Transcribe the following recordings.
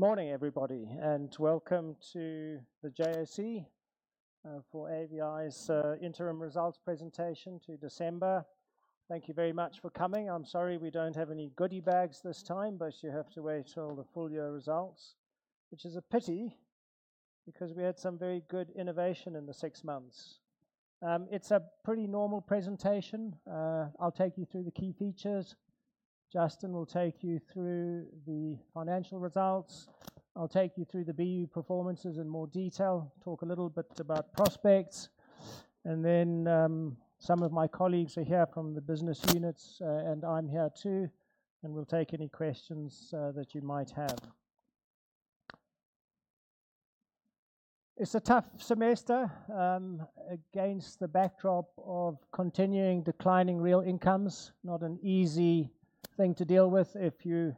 Morning, everybody, and welcome to the JSE for AVI's Interim Results Presentation to December. Thank you very much for coming. I'm sorry we don't have any goody bags this time, but you have to wait till the full year results, which is a pity because we had some very good innovation in the six months. It's a pretty normal presentation. I'll take you through the key features. Justin will take you through the financial results. I'll take you through the BU performances in more detail, talk a little bit about prospects. Some of my colleagues are here from the business units, and I'm here too, and we'll take any questions that you might have. It's a tough semester against the backdrop of continuing declining real incomes, not an easy thing to deal with if you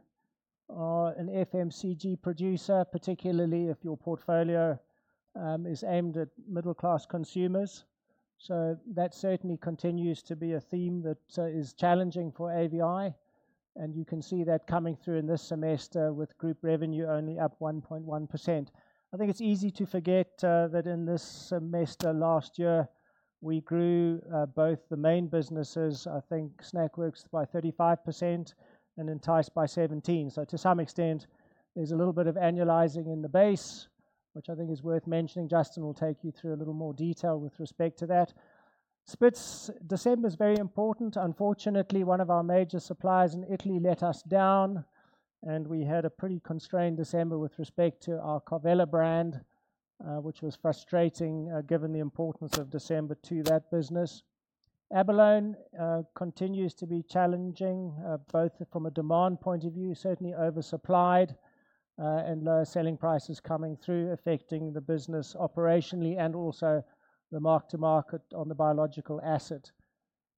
are an FMCG producer, particularly if your portfolio is aimed at middle-class consumers. That certainly continues to be a theme that is challenging for AVI, and you can see that coming through in this semester with group revenue only up 1.1%. I think it's easy to forget that in this semester last year, we grew both the main businesses, I think Snackworks by 35% and Entyce by 17%. To some extent, there's a little bit of annualizing in the base, which I think is worth mentioning. Justin will take you through a little more detail with respect to that. December is very important. Unfortunately, one of our major suppliers in Italy let us down, and we had a pretty constrained December with respect to our Carvela brand, which was frustrating given the importance of December to that business. Abalone continues to be challenging, both from a demand point of view, certainly oversupplied, and lower selling prices coming through, affecting the business operationally and also the mark-to-market on the biological asset.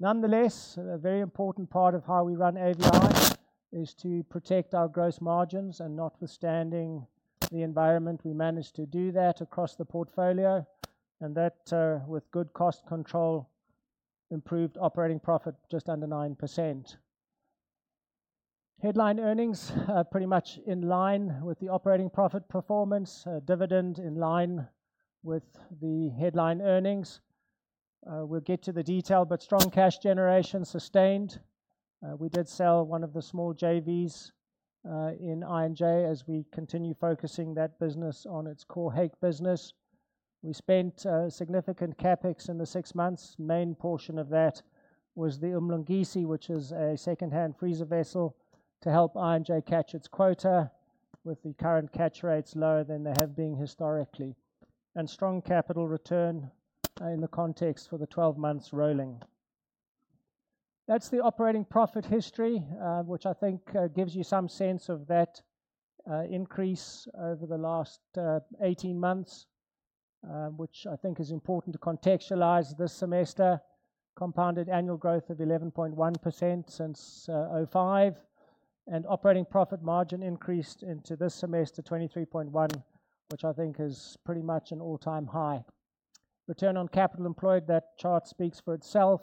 Nonetheless, a very important part of how we run AVI is to protect our gross margins and notwithstanding the environment, we managed to do that across the portfolio, and that with good cost control, improved operating profit just under 9%. Headline earnings are pretty much in line with the operating profit performance, dividend in line with the headline earnings. We'll get to the detail, but strong cash generation sustained. We did sell one of the small JVs in I&J as we continue focusing that business on its core hake business. We spent significant CapEx in the six months. Main portion of that was the Umlungisi, which is a second-hand freezer vessel to help I&J catch its quota with the current catch rates lower than they have been historically. Strong capital return in the context for the 12 months rolling. That is the operating profit history, which I think gives you some sense of that increase over the last 18 months, which I think is important to contextualize this semester. Compounded annual growth of 11.1% since 2005 and operating profit margin increased into this semester 23.1%, which I think is pretty much an all-time high. Return on capital employed, that chart speaks for itself.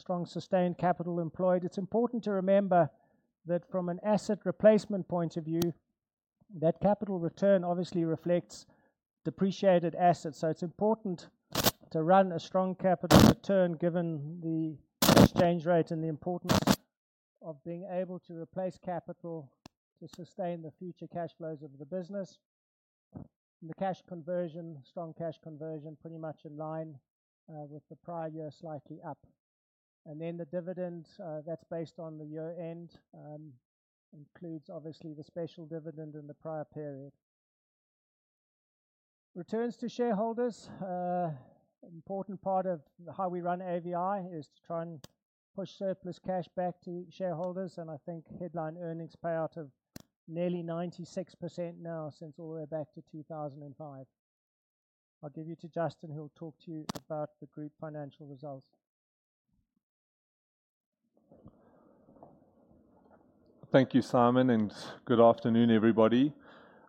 Strong sustained capital employed. It is important to remember that from an asset replacement point of view, that capital return obviously reflects depreciated assets. It's important to run a strong capital return given the exchange rate and the importance of being able to replace capital to sustain the future cash flows of the business. The cash conversion, strong cash conversion, pretty much in line with the prior year, slightly up. The dividend, that's based on the year-end, includes obviously the special dividend in the prior period. Returns to shareholders, an important part of how we run AVI is to try and push surplus cash back to shareholders, and I think headline earnings pay out of nearly 96% now since all the way back to 2005. I'll give you to Justin, who'll talk to you about the group financial results. Thank you, Simon, and good afternoon, everybody.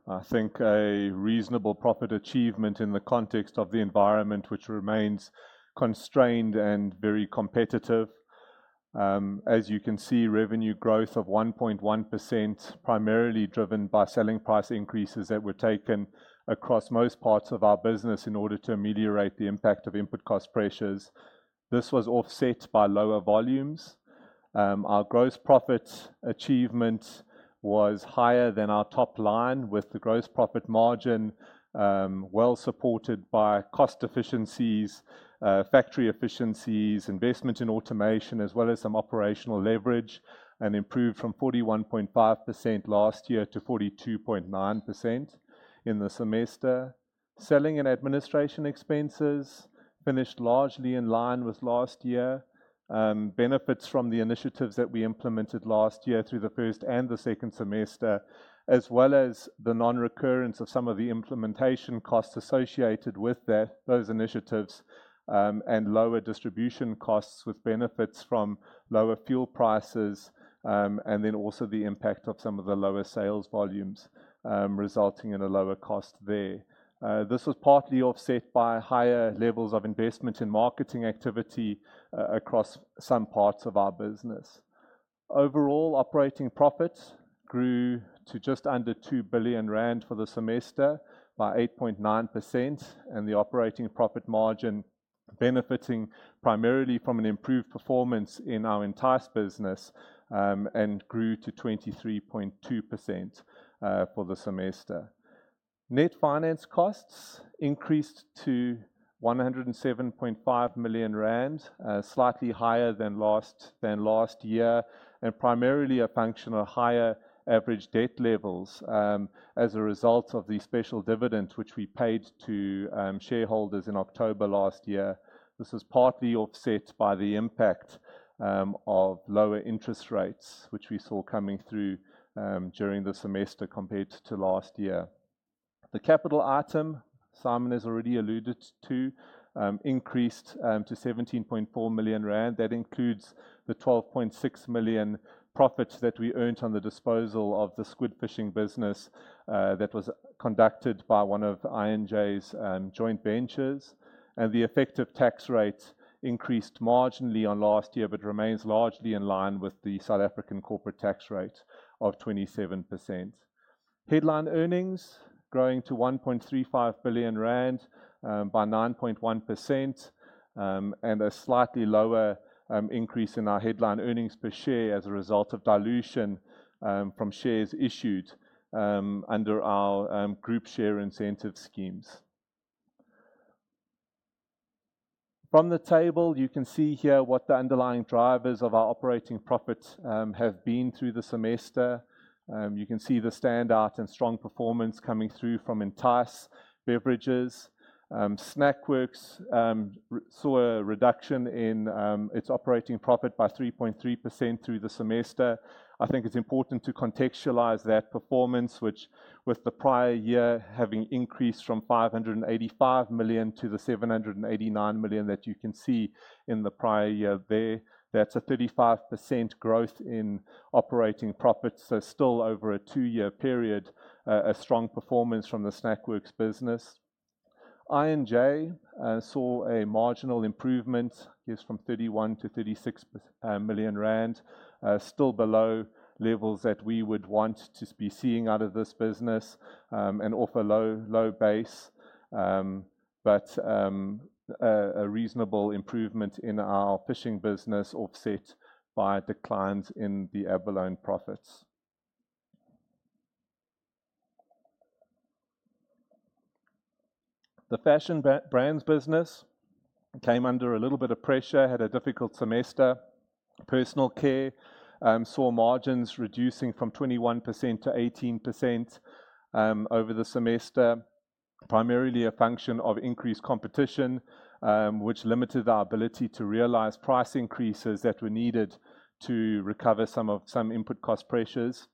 I think a reasonable profit achievement in the context of the environment, which remains constrained and very competitive. As you can see, revenue growth of 1.1%, primarily driven by selling price increases that were taken across most parts of our business in order to ameliorate the impact of input cost pressures. This was offset by lower volumes. Our gross profit achievement was higher than our top line, with the gross profit margin well supported by cost efficiencies, factory efficiencies, investment in automation, as well as some operational leverage, and improved from 41.5% last year to 42.9% in the semester. Selling and administration expenses finished largely in line with last year. Benefits from the initiatives that we implemented last year through the first and the second semester, as well as the non-recurrence of some of the implementation costs associated with those initiatives and lower distribution costs with benefits from lower fuel prices, and also the impact of some of the lower sales volumes resulting in a lower cost there. This was partly offset by higher levels of investment in marketing activity across some parts of our business. Overall, operating profit grew to just under 2 billion rand for the semester by 8.9%, and the operating profit margin benefiting primarily from an improved performance in our entire business and grew to 23.2% for the semester. Net finance costs increased to 107.5 million rand, slightly higher than last year, and primarily a function of higher average debt levels as a result of the special dividends, which we paid to shareholders in October last year. This was partly offset by the impact of lower interest rates, which we saw coming through during the semester compared to last year. The capital item, Simon has already alluded to, increased to 17.4 million rand. That includes the 12.6 million profits that we earned on the disposal of the squid fishing business that was conducted by one of I&J's joint ventures. The effective tax rate increased marginally on last year, but remains largely in line with the South African corporate tax rate of 27%. Headline earnings growing to 1.35 billion rand by 9.1% and a slightly lower increase in our headline earnings per share as a result of dilution from shares issued under our group share incentive schemes. From the table, you can see here what the underlying drivers of our operating profit have been through the semester. You can see the standout and strong performance coming through from Entyce Beverages. Snackworks saw a reduction in its operating profit by 3.3% through the semester. I think it's important to contextualize that performance, which with the prior year having increased from 585 million to the 789 million that you can see in the prior year there. That's a 35% growth in operating profits, so still over a two-year period, a strong performance from the Snackworks business. I&J saw a marginal improvement, I guess from 31 million-36 million rand, still below levels that we would want to be seeing out of this business and off a low base, but a reasonable improvement in our fishing business offset by declines in the Abalone profits. The fashion brands business came under a little bit of pressure, had a difficult semester. Personal care saw margins reducing from 21%-18% over the semester, primarily a function of increased competition, which limited our ability to realize price increases that were needed to recover some input cost pressures.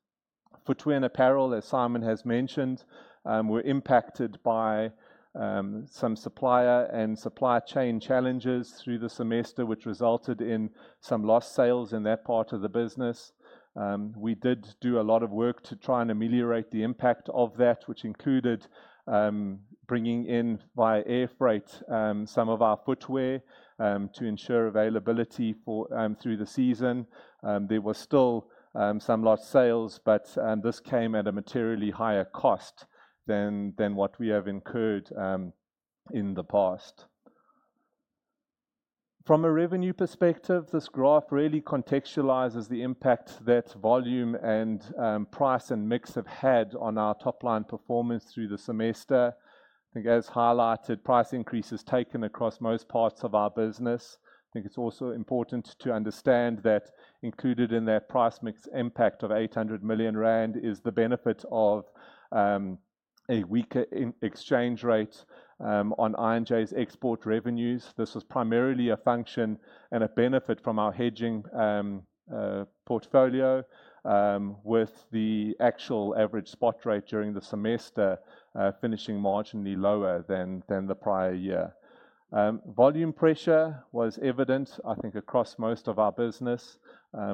Footwear and apparel, as Simon has mentioned, were impacted by some supplier and supply chain challenges through the semester, which resulted in some lost sales in that part of the business. We did do a lot of work to try and ameliorate the impact of that, which included bringing in via air freight some of our footwear to ensure availability through the season. There were still some lost sales, but this came at a materially higher cost than what we have incurred in the past. From a revenue perspective, this graph really contextualizes the impact that volume and price and mix have had on our top line performance through the semester. I think, as highlighted, price increases taken across most parts of our business. I think it's also important to understand that included in that price mix impact of 800 million rand is the benefit of a weaker exchange rate on I&J's export revenues. This was primarily a function and a benefit from our hedging portfolio, with the actual average spot rate during the semester finishing marginally lower than the prior year. Volume pressure was evident, I think, across most of our business.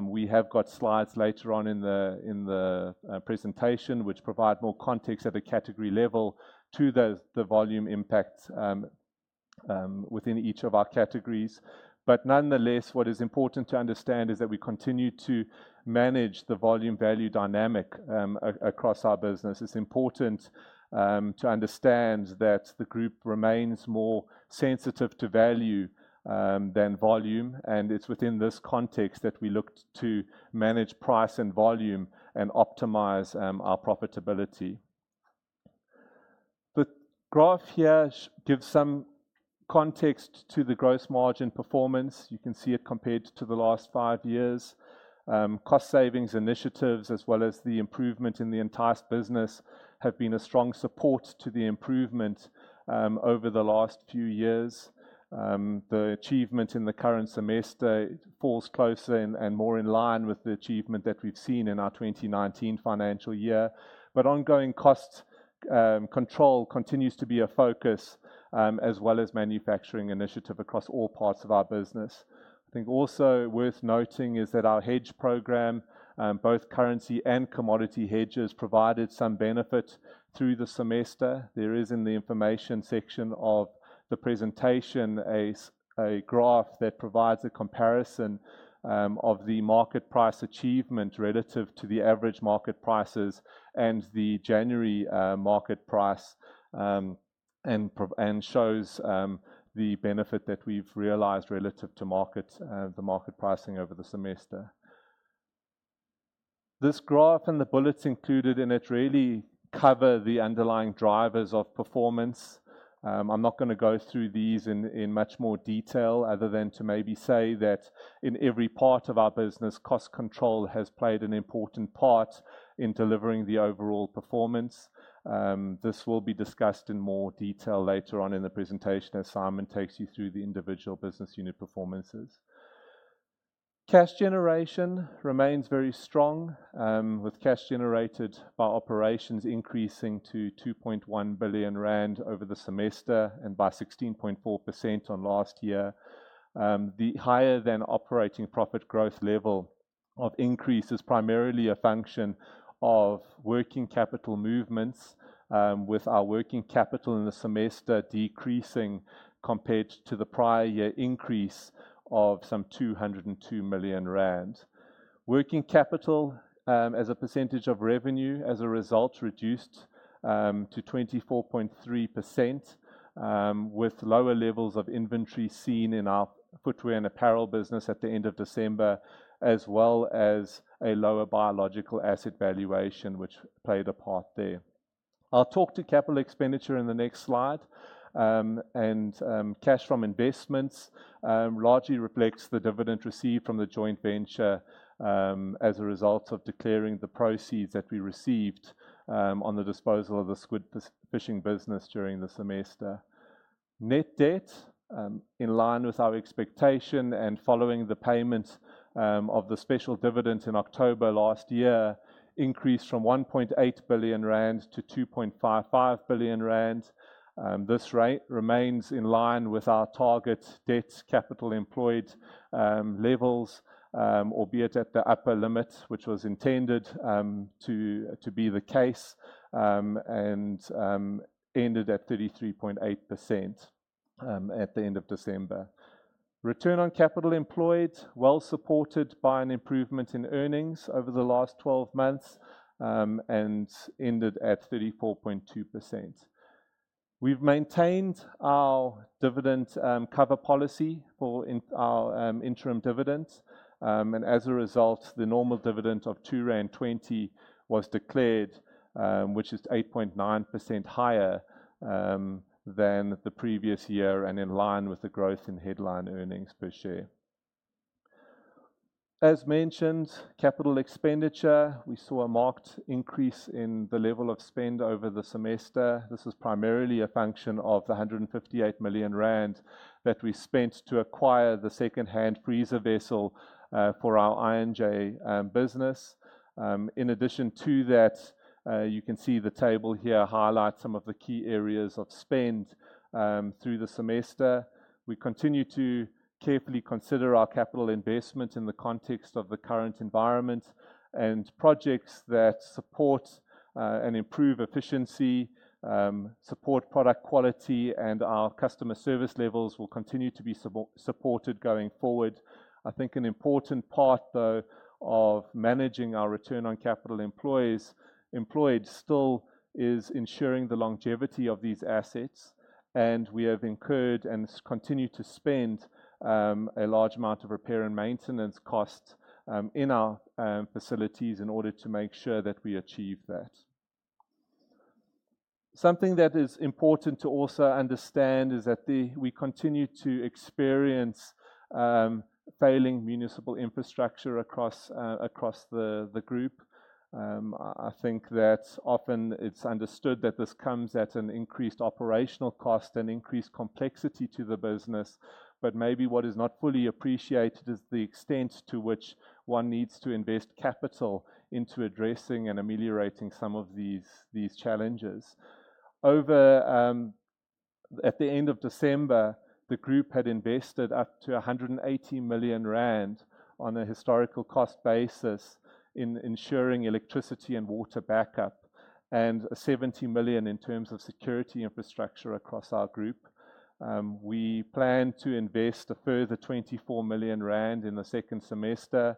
We have got slides later on in the presentation which provide more context at a category level to the volume impact within each of our categories. Nonetheless, what is important to understand is that we continue to manage the volume-value dynamic across our business. It's important to understand that the group remains more sensitive to value than volume, and it's within this context that we look to manage price and volume and optimize our profitability. The graph here gives some context to the gross margin performance. You can see it compared to the last five years. Cost savings initiatives, as well as the improvement in the entire business, have been a strong support to the improvement over the last few years. The achievement in the current semester falls closer and more in line with the achievement that we've seen in our 2019 financial year. Ongoing cost control continues to be a focus, as well as manufacturing initiative across all parts of our business. I think also worth noting is that our hedge program, both currency and commodity hedges, provided some benefit through the semester. There is, in the information section of the presentation, a graph that provides a comparison of the market price achievement relative to the average market prices and the January market price and shows the benefit that we've realized relative to the market pricing over the semester. This graph and the bullets included in it really cover the underlying drivers of performance. I'm not going to go through these in much more detail other than to maybe say that in every part of our business, cost control has played an important part in delivering the overall performance. This will be discussed in more detail later on in the presentation as Simon takes you through the individual business unit performances. Cash generation remains very strong, with cash generated by operations increasing to 2.1 billion rand over the semester and by 16.4% on last year. The higher-than-operating-profit growth level of increase is primarily a function of working capital movements, with our working capital in the semester decreasing compared to the prior year increase of some 202 million rand. Working capital as a percentage of revenue, as a result, reduced to 24.3%, with lower levels of inventory seen in our footwear and apparel business at the end of December, as well as a lower biological asset valuation, which played a part there. I will talk to capital expenditure in the next slide. Cash from investments largely reflects the dividend received from the joint venture as a result of declaring the proceeds that we received on the disposal of the squid fishing business during the semester. Net debt, in line with our expectation and following the payment of the special dividends in October last year, increased from 1.8 billion-2.55 billion rand. This rate remains in line with our target debt capital employed levels, albeit at the upper limit, which was intended to be the case and ended at 33.8% at the end of December. Return on capital employed, well supported by an improvement in earnings over the last 12 months and ended at 34.2%. We have maintained our dividend cover policy for our interim dividends, and as a result, the normal dividend of 2.20 was declared, which is 8.9% higher than the previous year and in line with the growth in headline earnings per share. As mentioned, capital expenditure, we saw a marked increase in the level of spend over the semester. This was primarily a function of the 158 million rand that we spent to acquire the second-hand freezer vessel for our I&J business. In addition to that, you can see the table here highlights some of the key areas of spend through the semester. We continue to carefully consider our capital investment in the context of the current environment, and projects that support and improve efficiency, support product quality, and our customer service levels will continue to be supported going forward. I think an important part, though, of managing our return on capital employed still is ensuring the longevity of these assets, and we have incurred and continue to spend a large amount of repair and maintenance costs in our facilities in order to make sure that we achieve that. Something that is important to also understand is that we continue to experience failing municipal infrastructure across the group. I think that often it's understood that this comes at an increased operational cost and increased complexity to the business, but maybe what is not fully appreciated is the extent to which one needs to invest capital into addressing and ameliorating some of these challenges. At the end of December, the group had invested up to 180 million rand on a historical cost basis in ensuring electricity and water backup and 70 million in terms of security infrastructure across our group. We plan to invest a further 24 million rand in the second semester.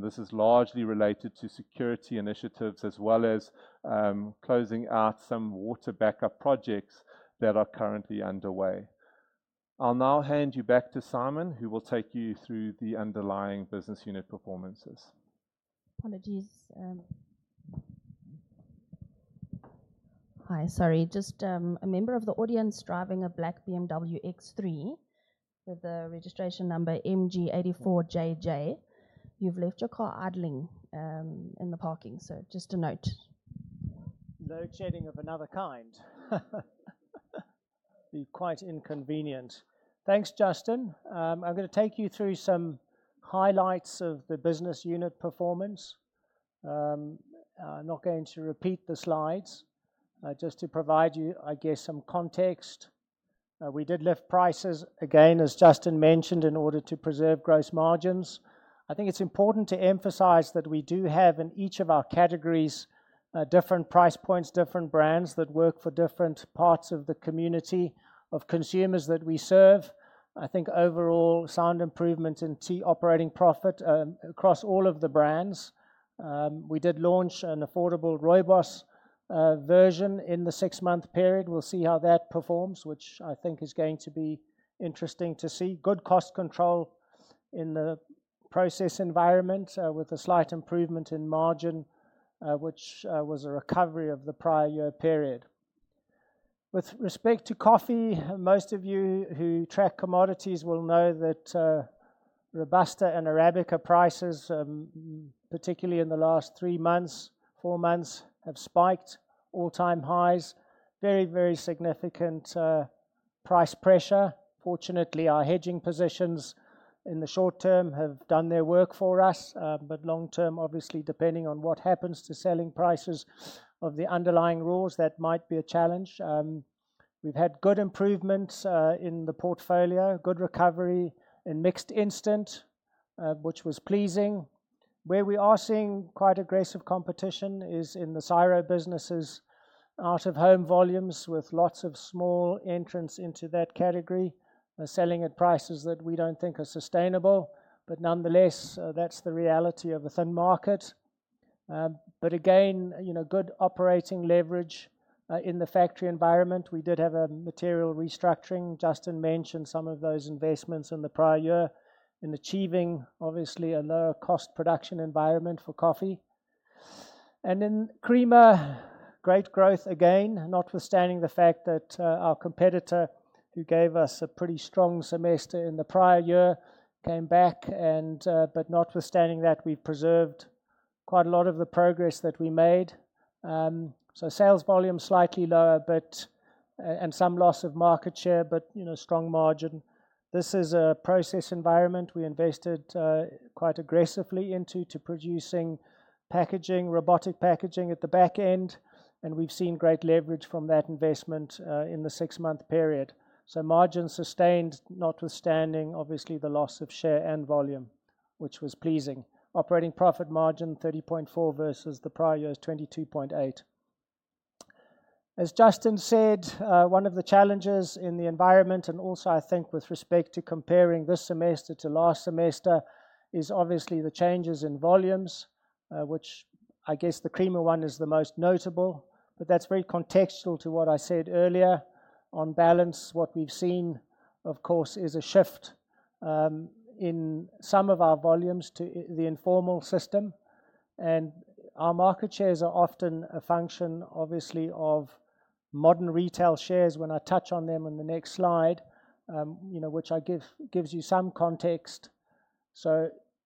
This is largely related to security initiatives as well as closing out some water backup projects that are currently underway. I'll now hand you back to Simon, who will take you through the underlying business unit performances. Apologies. Hi, sorry. Just a member of the audience driving a black BMW X3 with the registration number MG84JJ. You've left your car idling in the parking, so just a note. Load shedding of another kind. Be quite inconvenient. Thanks, Justin. I'm going to take you through some highlights of the business unit performance. I'm not going to repeat the slides. Just to provide you, I guess, some context, we did lift prices again, as Justin mentioned, in order to preserve gross margins. I think it's important to emphasize that we do have in each of our categories different price points, different brands that work for different parts of the community of consumers that we serve. I think overall sound improvement in operating profit across all of the brands. We did launch an affordable Rooibos version in the six-month period. We'll see how that performs, which I think is going to be interesting to see. Good cost control in the process environment with a slight improvement in margin, which was a recovery of the prior year period. With respect to coffee, most of you who track commodities will know that Robusta and Arabica prices, particularly in the last three months, four months, have spiked all-time highs. Very, very significant price pressure. Fortunately, our hedging positions in the short term have done their work for us, but long term, obviously, depending on what happens to selling prices of the underlying raws, that might be a challenge. We've had good improvements in the portfolio, good recovery in mixed instant, which was pleasing. Where we are seeing quite aggressive competition is in the Ciro businesses, out-of-home volumes with lots of small entrants into that category, selling at prices that we don't think are sustainable, but nonetheless, that's the reality of a thin market. Again, good operating leverage in the factory environment. We did have a material restructuring. Justin mentioned some of those investments in the prior year in achieving, obviously, a lower cost production environment for coffee. In creamer, great growth again, notwithstanding the fact that our competitor who gave us a pretty strong semester in the prior year came back, but notwithstanding that, we've preserved quite a lot of the progress that we made. Sales volume slightly lower and some loss of market share, but strong margin. This is a process environment we invested quite aggressively into producing packaging, robotic packaging at the back end, and we've seen great leverage from that investment in the six-month period. Margin sustained, notwithstanding, obviously, the loss of share and volume, which was pleasing. Operating profit margin 30.4% versus the prior year is 22.8%. As Justin said, one of the challenges in the environment, and also I think with respect to comparing this semester to last semester, is obviously the changes in volumes, which I guess the creamer one is the most notable. That is very contextual to what I said earlier. On balance, what we have seen, of course, is a shift in some of our volumes to the informal system. Our market shares are often a function, obviously, of modern retail shares when I touch on them on the next slide, which gives you some context.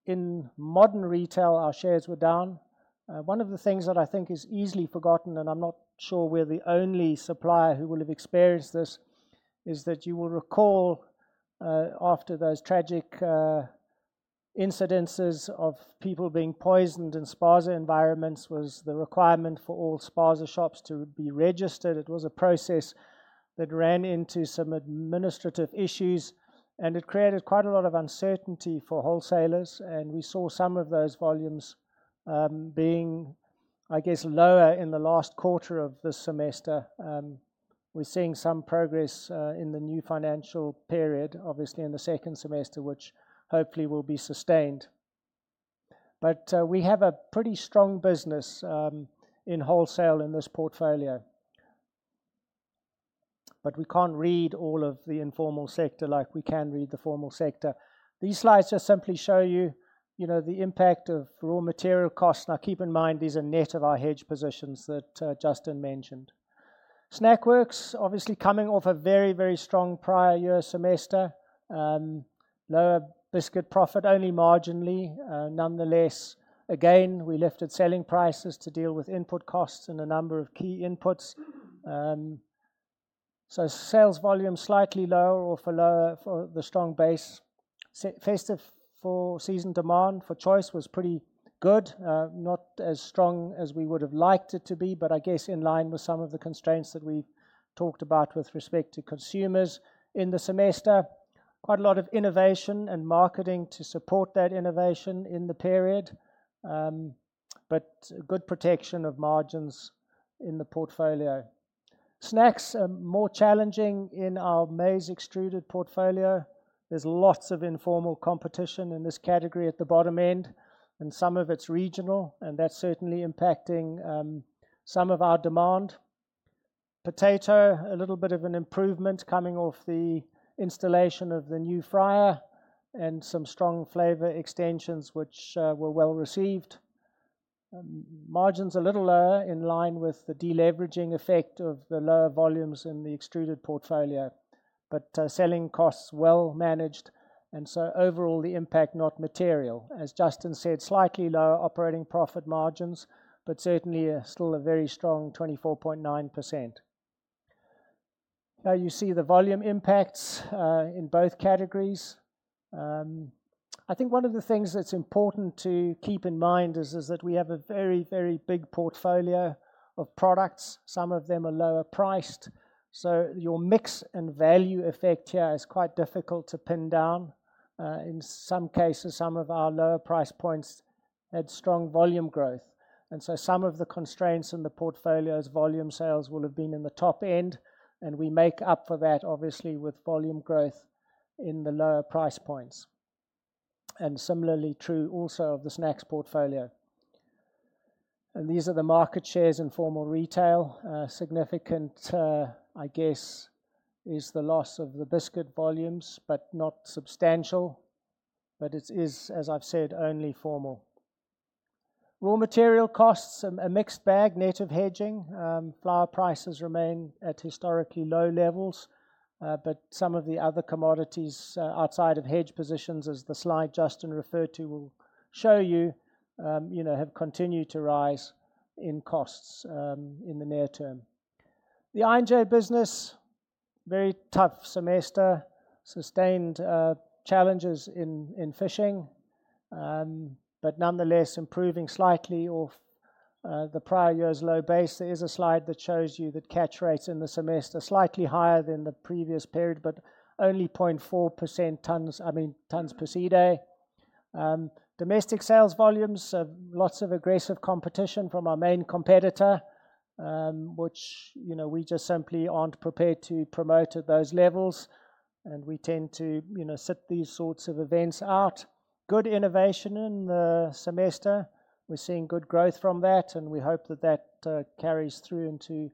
In modern retail, our shares were down. One of the things that I think is easily forgotten, and I am not sure we are the only supplier who will have experienced this, is that you will recall after those tragic incidences of people being poisoned in spaza environments was the requirement for all spaza shops to be registered. It was a process that ran into some administrative issues, and it created quite a lot of uncertainty for wholesalers. We saw some of those volumes being, I guess, lower in the last quarter of this semester. We're seeing some progress in the new financial period, obviously, in the second semester, which hopefully will be sustained. We have a pretty strong business in wholesale in this portfolio. We can't read all of the informal sector like we can read the formal sector. These slides just simply show you the impact of raw material costs. Now, keep in mind, these are net of our hedge positions that Justin mentioned. Snackworks, obviously, coming off a very, very strong prior year semester, lower biscuit profit, only marginally. Nonetheless, again, we lifted selling prices to deal with input costs and a number of key inputs. Sales volume slightly lower or for the strong base. Festive for season demand for Choice was pretty good, not as strong as we would have liked it to be, but I guess in line with some of the constraints that we've talked about with respect to consumers in the semester. Quite a lot of innovation and marketing to support that innovation in the period, but good protection of margins in the portfolio. Snacks are more challenging in our Maize Extruded portfolio. There's lots of informal competition in this category at the bottom end, and some of it's regional, and that's certainly impacting some of our demand. Potato, a little bit of an improvement coming off the installation of the new fryer and some strong flavor extensions which were well received. Margins a little lower in line with the deleveraging effect of the lower volumes in the extruded portfolio, but selling costs well managed. Overall, the impact is not material. As Justin said, slightly lower operating profit margins, but certainly still a very strong 24.9%. You see the volume impacts in both categories. I think one of the things that's important to keep in mind is that we have a very, very big portfolio of products. Some of them are lower priced. Your mix and value effect here is quite difficult to pin down. In some cases, some of our lower price points had strong volume growth. Some of the constraints in the portfolio's volume sales will have been in the top end, and we make up for that, obviously, with volume growth in the lower price points. Similarly true also of the snacks portfolio. These are the market shares in formal retail. Significant, I guess, is the loss of the biscuit volumes, but not substantial. It is, as I've said, only formal. Raw material costs, a mixed bag, native hedging, flour prices remain at historically low levels, but some of the other commodities outside of hedge positions, as the slide Justin referred to will show you, have continued to rise in costs in the near term. The I&J business, very tough semester, sustained challenges in fishing, but nonetheless improving slightly off the prior year's low base. There is a slide that shows you that catch rates in the semester slightly higher than the previous period, but only 0.4% tons per sea day. Domestic sales volumes, lots of aggressive competition from our main competitor, which we just simply aren't prepared to promote at those levels, and we tend to sit these sorts of events out. Good innovation in the semester. We're seeing good growth from that, and we hope that that carries through into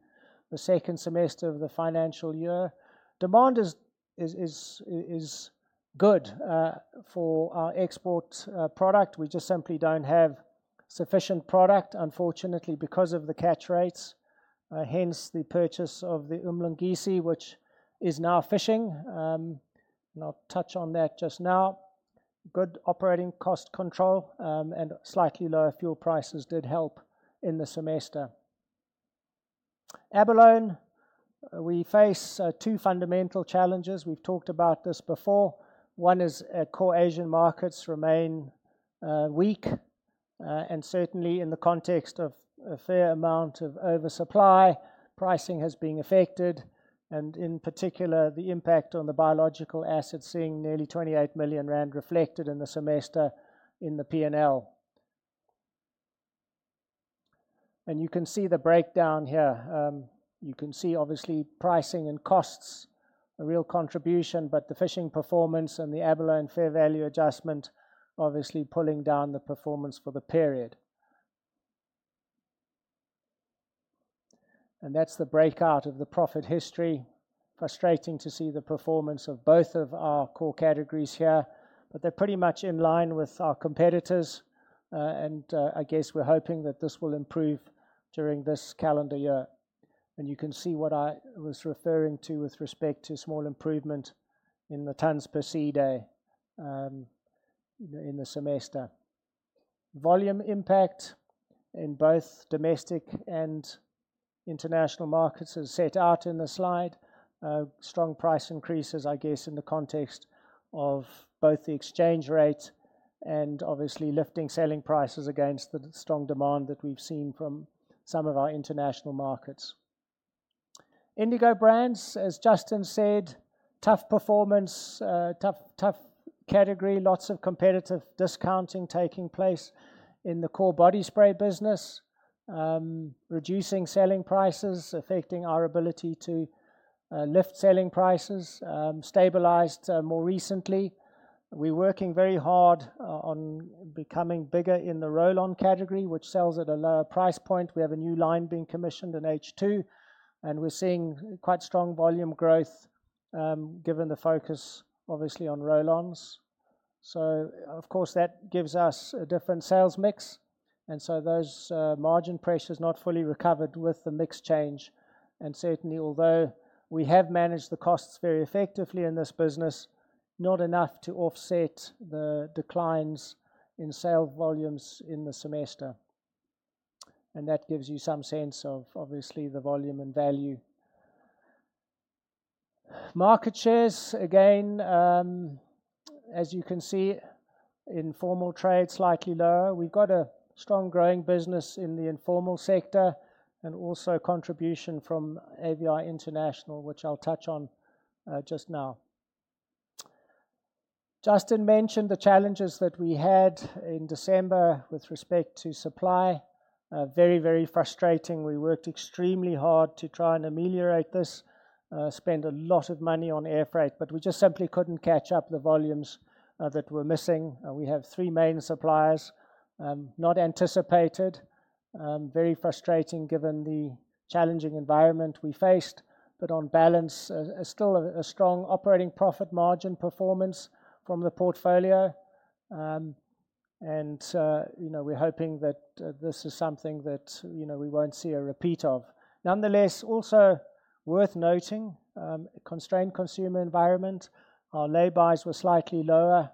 the second semester of the financial year. Demand is good for our export product. We just simply don't have sufficient product, unfortunately, because of the catch rates. Hence the purchase of the Umlungisi, which is now fishing. I'll touch on that just now. Good operating cost control and slightly lower fuel prices did help in the semester. Abalone, we face two fundamental challenges. We've talked about this before. One is core Asian markets remain weak, and certainly in the context of a fair amount of oversupply, pricing has been affected, and in particular, the impact on the biological assets, seeing nearly 28 million rand reflected in the semester in the P&L. And you can see the breakdown here. You can see, obviously, pricing and costs, a real contribution, but the fishing performance and the Abalone fair value adjustment, obviously, pulling down the performance for the period. That is the breakout of the profit history. Frustrating to see the performance of both of our core categories here, but they are pretty much in line with our competitors, and I guess we are hoping that this will improve during this calendar year. You can see what I was referring to with respect to small improvement in the tons per sea day in the semester. Volume impact in both domestic and international markets is set out in the slide. Strong price increases, I guess, in the context of both the exchange rate and obviously lifting selling prices against the strong demand that we have seen from some of our international markets. Indigo Brands, as Justin said, tough performance, tough category, lots of competitive discounting taking place in the core body spray business, reducing selling prices, affecting our ability to lift selling prices, stabilized more recently. We are working very hard on becoming bigger in the roll-on category, which sells at a lower price point. We have a new line being commissioned in H2, and we are seeing quite strong volume growth given the focus, obviously, on roll-ons. Of course, that gives us a different sales mix. Those margin pressures are not fully recovered with the mix change. Certainly, although we have managed the costs very effectively in this business, not enough to offset the declines in sales volumes in the semester. That gives you some sense of, obviously, the volume and value. Market shares, again, as you can see, informal trade slightly lower. We've got a strong growing business in the informal sector and also contribution from AVI International, which I'll touch on just now. Justin mentioned the challenges that we had in December with respect to supply. Very, very frustrating. We worked extremely hard to try and ameliorate this, spent a lot of money on air freight, but we just simply couldn't catch up the volumes that were missing. We have three main suppliers, not anticipated, very frustrating given the challenging environment we faced. On balance, still a strong operating profit margin performance from the portfolio. We're hoping that this is something that we won't see a repeat of. Nonetheless, also worth noting, constrained consumer environment, our labors were slightly lower,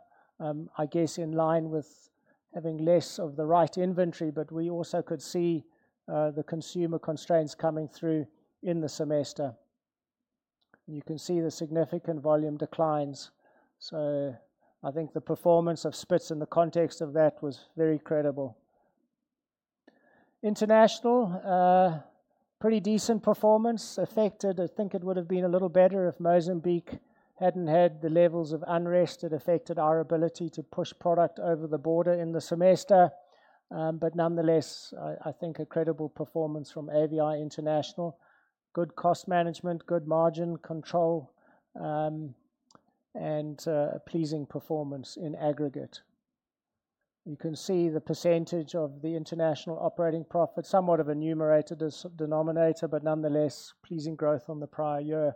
I guess, in line with having less of the right inventory, but we also could see the consumer constraints coming through in the semester. You can see the significant volume declines. I think the performance of Spitz in the context of that was very credible. International, pretty decent performance affected. I think it would have been a little better if Mozambique had not had the levels of unrest that affected our ability to push product over the border in the semester. Nonetheless, I think a credible performance from AVI International, good cost management, good margin control, and a pleasing performance in aggregate. You can see the percentage of the international operating profit, somewhat of a numerator denominator, nonetheless, pleasing growth on the prior year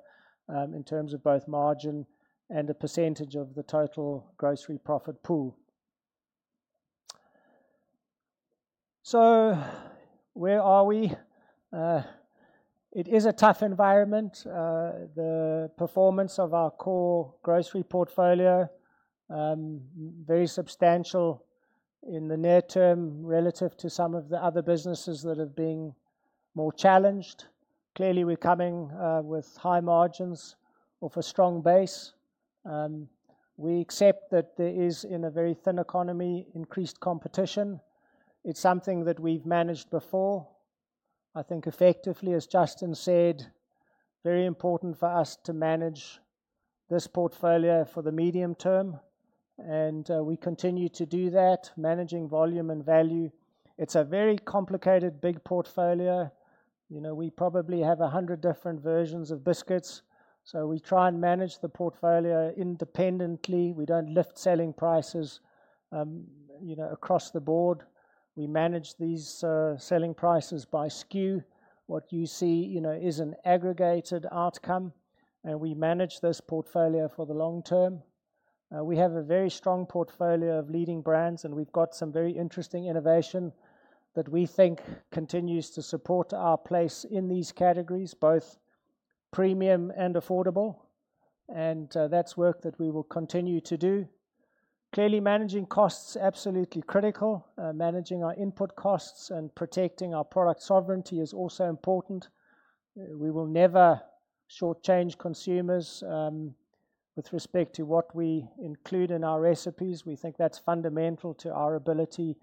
in terms of both margin and a percentage of the total grocery profit pool. Where are we? It is a tough environment. The performance of our core grocery portfolio, very substantial in the near term relative to some of the other businesses that have been more challenged. Clearly, we're coming with high margins off a strong base. We accept that there is, in a very thin economy, increased competition. It's something that we've managed before. I think effectively, as Justin said, very important for us to manage this portfolio for the medium term. We continue to do that, managing volume and value. It's a very complicated, big portfolio. We probably have 100 different versions of biscuits. We try and manage the portfolio independently. We don't lift selling prices across the board. We manage these selling prices by SKU. What you see is an aggregated outcome. We manage this portfolio for the long term. We have a very strong portfolio of leading brands, and we've got some very interesting innovation that we think continues to support our place in these categories, both premium and affordable. That's work that we will continue to do. Clearly, managing costs is absolutely critical. Managing our input costs and protecting our product sovereignty is also important. We will never shortchange consumers with respect to what we include in our recipes. We think that's fundamental to our ability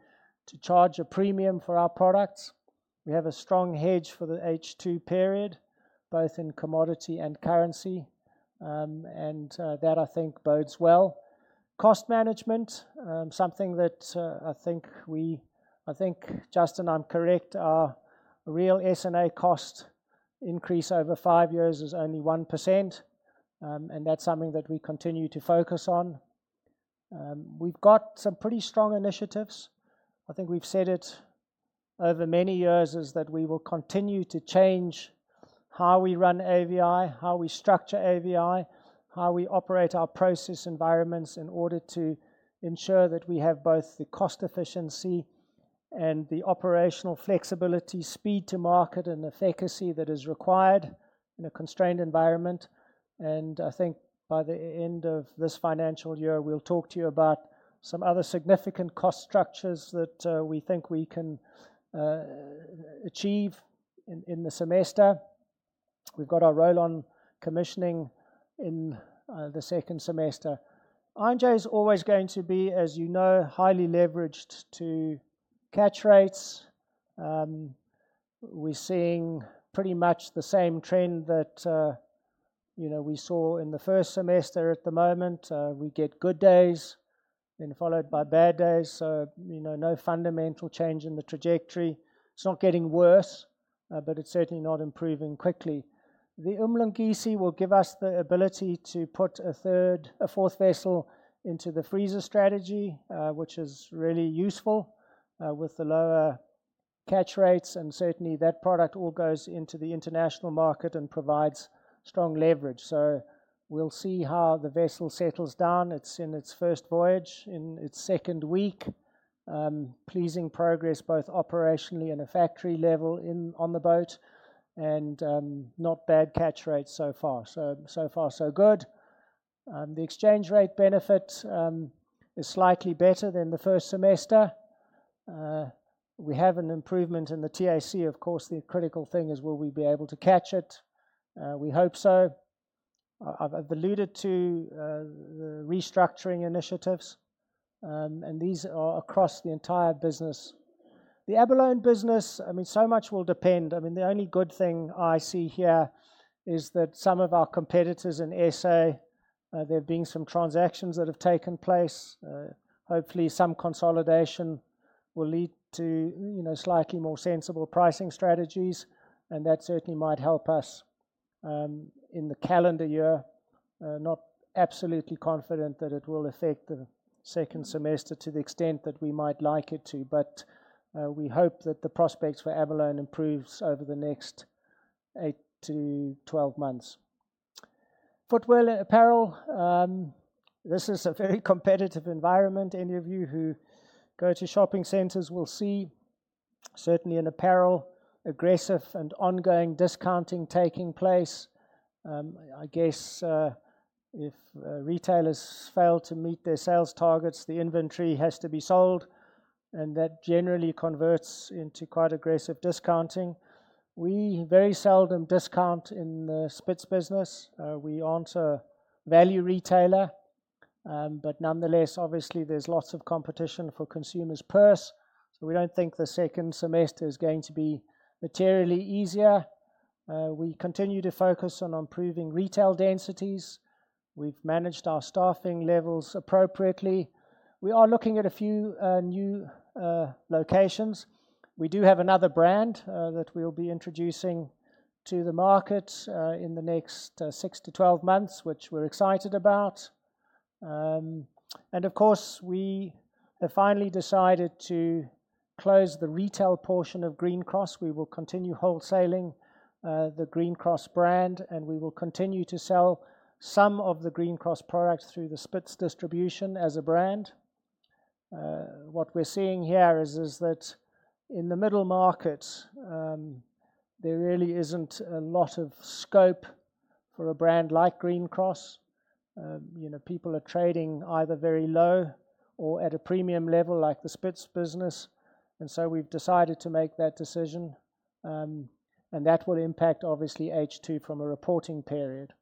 to charge a premium for our products. We have a strong hedge for the H2 period, both in commodity and currency. That, I think, bodes well. Cost management, something that I think we, I think Justin and I'm correct, our real S&A cost increase over five years is only 1%. That is something that we continue to focus on. We've got some pretty strong initiatives. I think we've said it over many years is that we will continue to change how we run AVI, how we structure AVI, how we operate our process environments in order to ensure that we have both the cost efficiency and the operational flexibility, speed to market, and efficacy that is required in a constrained environment. I think by the end of this financial year, we'll talk to you about some other significant cost structures that we think we can achieve in the semester. We've got our roll-on commissioning in the second semester. I&J is always going to be, as you know, highly leveraged to catch rates. We're seeing pretty much the same trend that we saw in the first semester. At the moment, we get good days then followed by bad days. No fundamental change in the trajectory. It's not getting worse, but it's certainly not improving quickly. The Umlungisi will give us the ability to put a fourth vessel into the freezer strategy, which is really useful with the lower catch rates. That product all goes into the international market and provides strong leverage. We will see how the vessel settles down. It's in its first voyage, in its second week. Pleasing progress both operationally and at a factory level on the boat and not bad catch rates so far. So far, so good. The exchange rate benefit is slightly better than the first semester. We have an improvement in the TAC. Of course, the critical thing is, will we be able to catch it? We hope so. I've alluded to the restructuring initiatives, and these are across the entire business. The Abalone business, I mean, so much will depend. I mean, the only good thing I see here is that some of our competitors in SA, there have been some transactions that have taken place. Hopefully, some consolidation will lead to slightly more sensible pricing strategies, and that certainly might help us in the calendar year. Not absolutely confident that it will affect the second semester to the extent that we might like it to, but we hope that the prospects for Abalone improves over the next 8-12 months. Footwear and apparel, this is a very competitive environment. Any of you who go to shopping centers will see certainly in apparel, aggressive and ongoing discounting taking place. I guess if retailers fail to meet their sales targets, the inventory has to be sold, and that generally converts into quite aggressive discounting. We very seldom discount in the Spitz business. We aren't a value retailer, but nonetheless, obviously, there's lots of competition for consumers' purse. We don't think the second semester is going to be materially easier. We continue to focus on improving retail densities. We've managed our staffing levels appropriately. We are looking at a few new locations. We do have another brand that we'll be introducing to the market in the next 6-12 months, which we're excited about. Of course, we have finally decided to close the retail portion of Green Cross. We will continue wholesaling the Green Cross brand, and we will continue to sell some of the Green Cross products through the Spitz distribution as a brand. What we're seeing here is that in the middle markets, there really isn't a lot of scope for a brand like Green Cross. People are trading either very low or at a premium level like the Spitz business. We have decided to make that decision, and that will impact, obviously, H2 from a reporting period.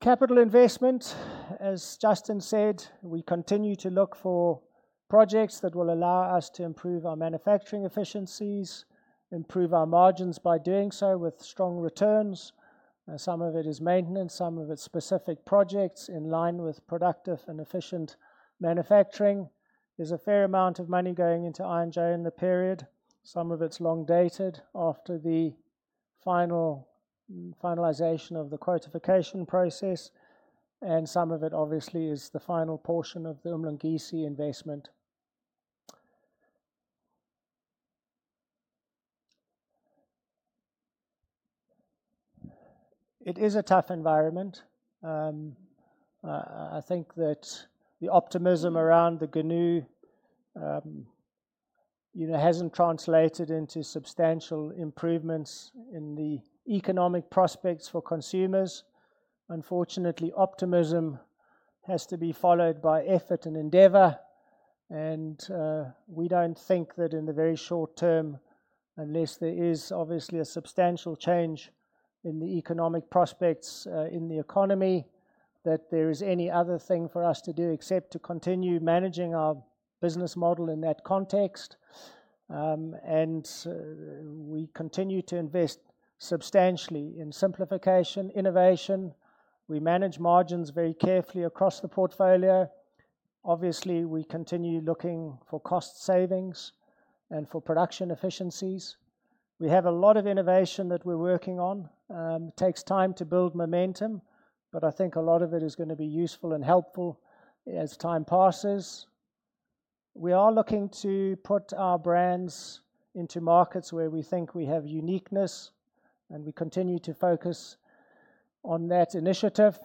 Capital investment, as Justin said, we continue to look for projects that will allow us to improve our manufacturing efficiencies, improve our margins by doing so with strong returns. Some of it is maintenance, some of it is specific projects in line with productive and efficient manufacturing. There is a fair amount of money going into I&J in the period. Some of it is long dated after the finalization of the quantification process, and some of it, obviously, is the final portion of the Umlungisi investment. It is a tough environment. I think that the optimism around the Gnu has not translated into substantial improvements in the economic prospects for consumers. Unfortunately, optimism has to be followed by effort and endeavor. We do not think that in the very short term, unless there is obviously a substantial change in the economic prospects in the economy, that there is any other thing for us to do except to continue managing our business model in that context. We continue to invest substantially in simplification, innovation. We manage margins very carefully across the portfolio. Obviously, we continue looking for cost savings and for production efficiencies. We have a lot of innovation that we are working on. It takes time to build momentum, but I think a lot of it is going to be useful and helpful as time passes. We are looking to put our brands into markets where we think we have uniqueness, and we continue to focus on that initiative.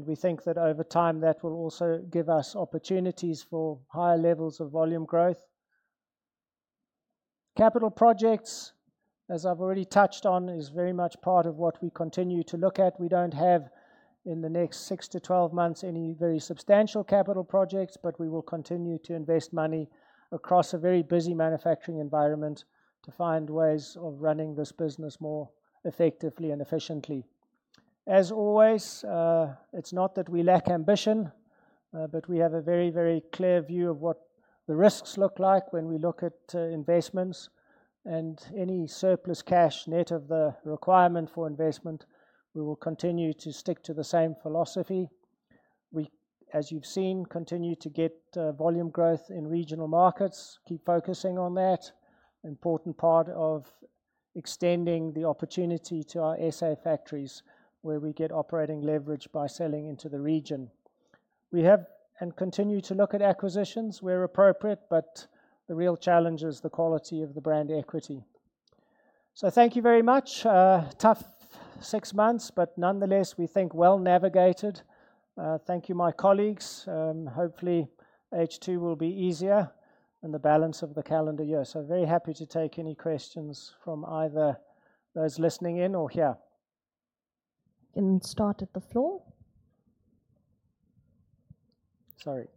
We think that over time, that will also give us opportunities for higher levels of volume growth. Capital projects, as I've already touched on, are very much part of what we continue to look at. We do not have, in the next 6-12 months, any very substantial capital projects, but we will continue to invest money across a very busy manufacturing environment to find ways of running this business more effectively and efficiently. As always, it is not that we lack ambition, but we have a very, very clear view of what the risks look like when we look at investments. Any surplus cash net of the requirement for investment, we will continue to stick to the same philosophy. We, as you have seen, continue to get volume growth in regional markets, keep focusing on that, an important part of extending the opportunity to our SA factories where we get operating leverage by selling into the region. We have and continue to look at acquisitions where appropriate, but the real challenge is the quality of the brand equity. Thank you very much. Tough six months, but nonetheless, we think well navigated. Thank you, my colleagues. Hopefully, H2 will be easier in the balance of the calendar year. Very happy to take any questions from either those listening in or here. Can start at the floor. Sorry.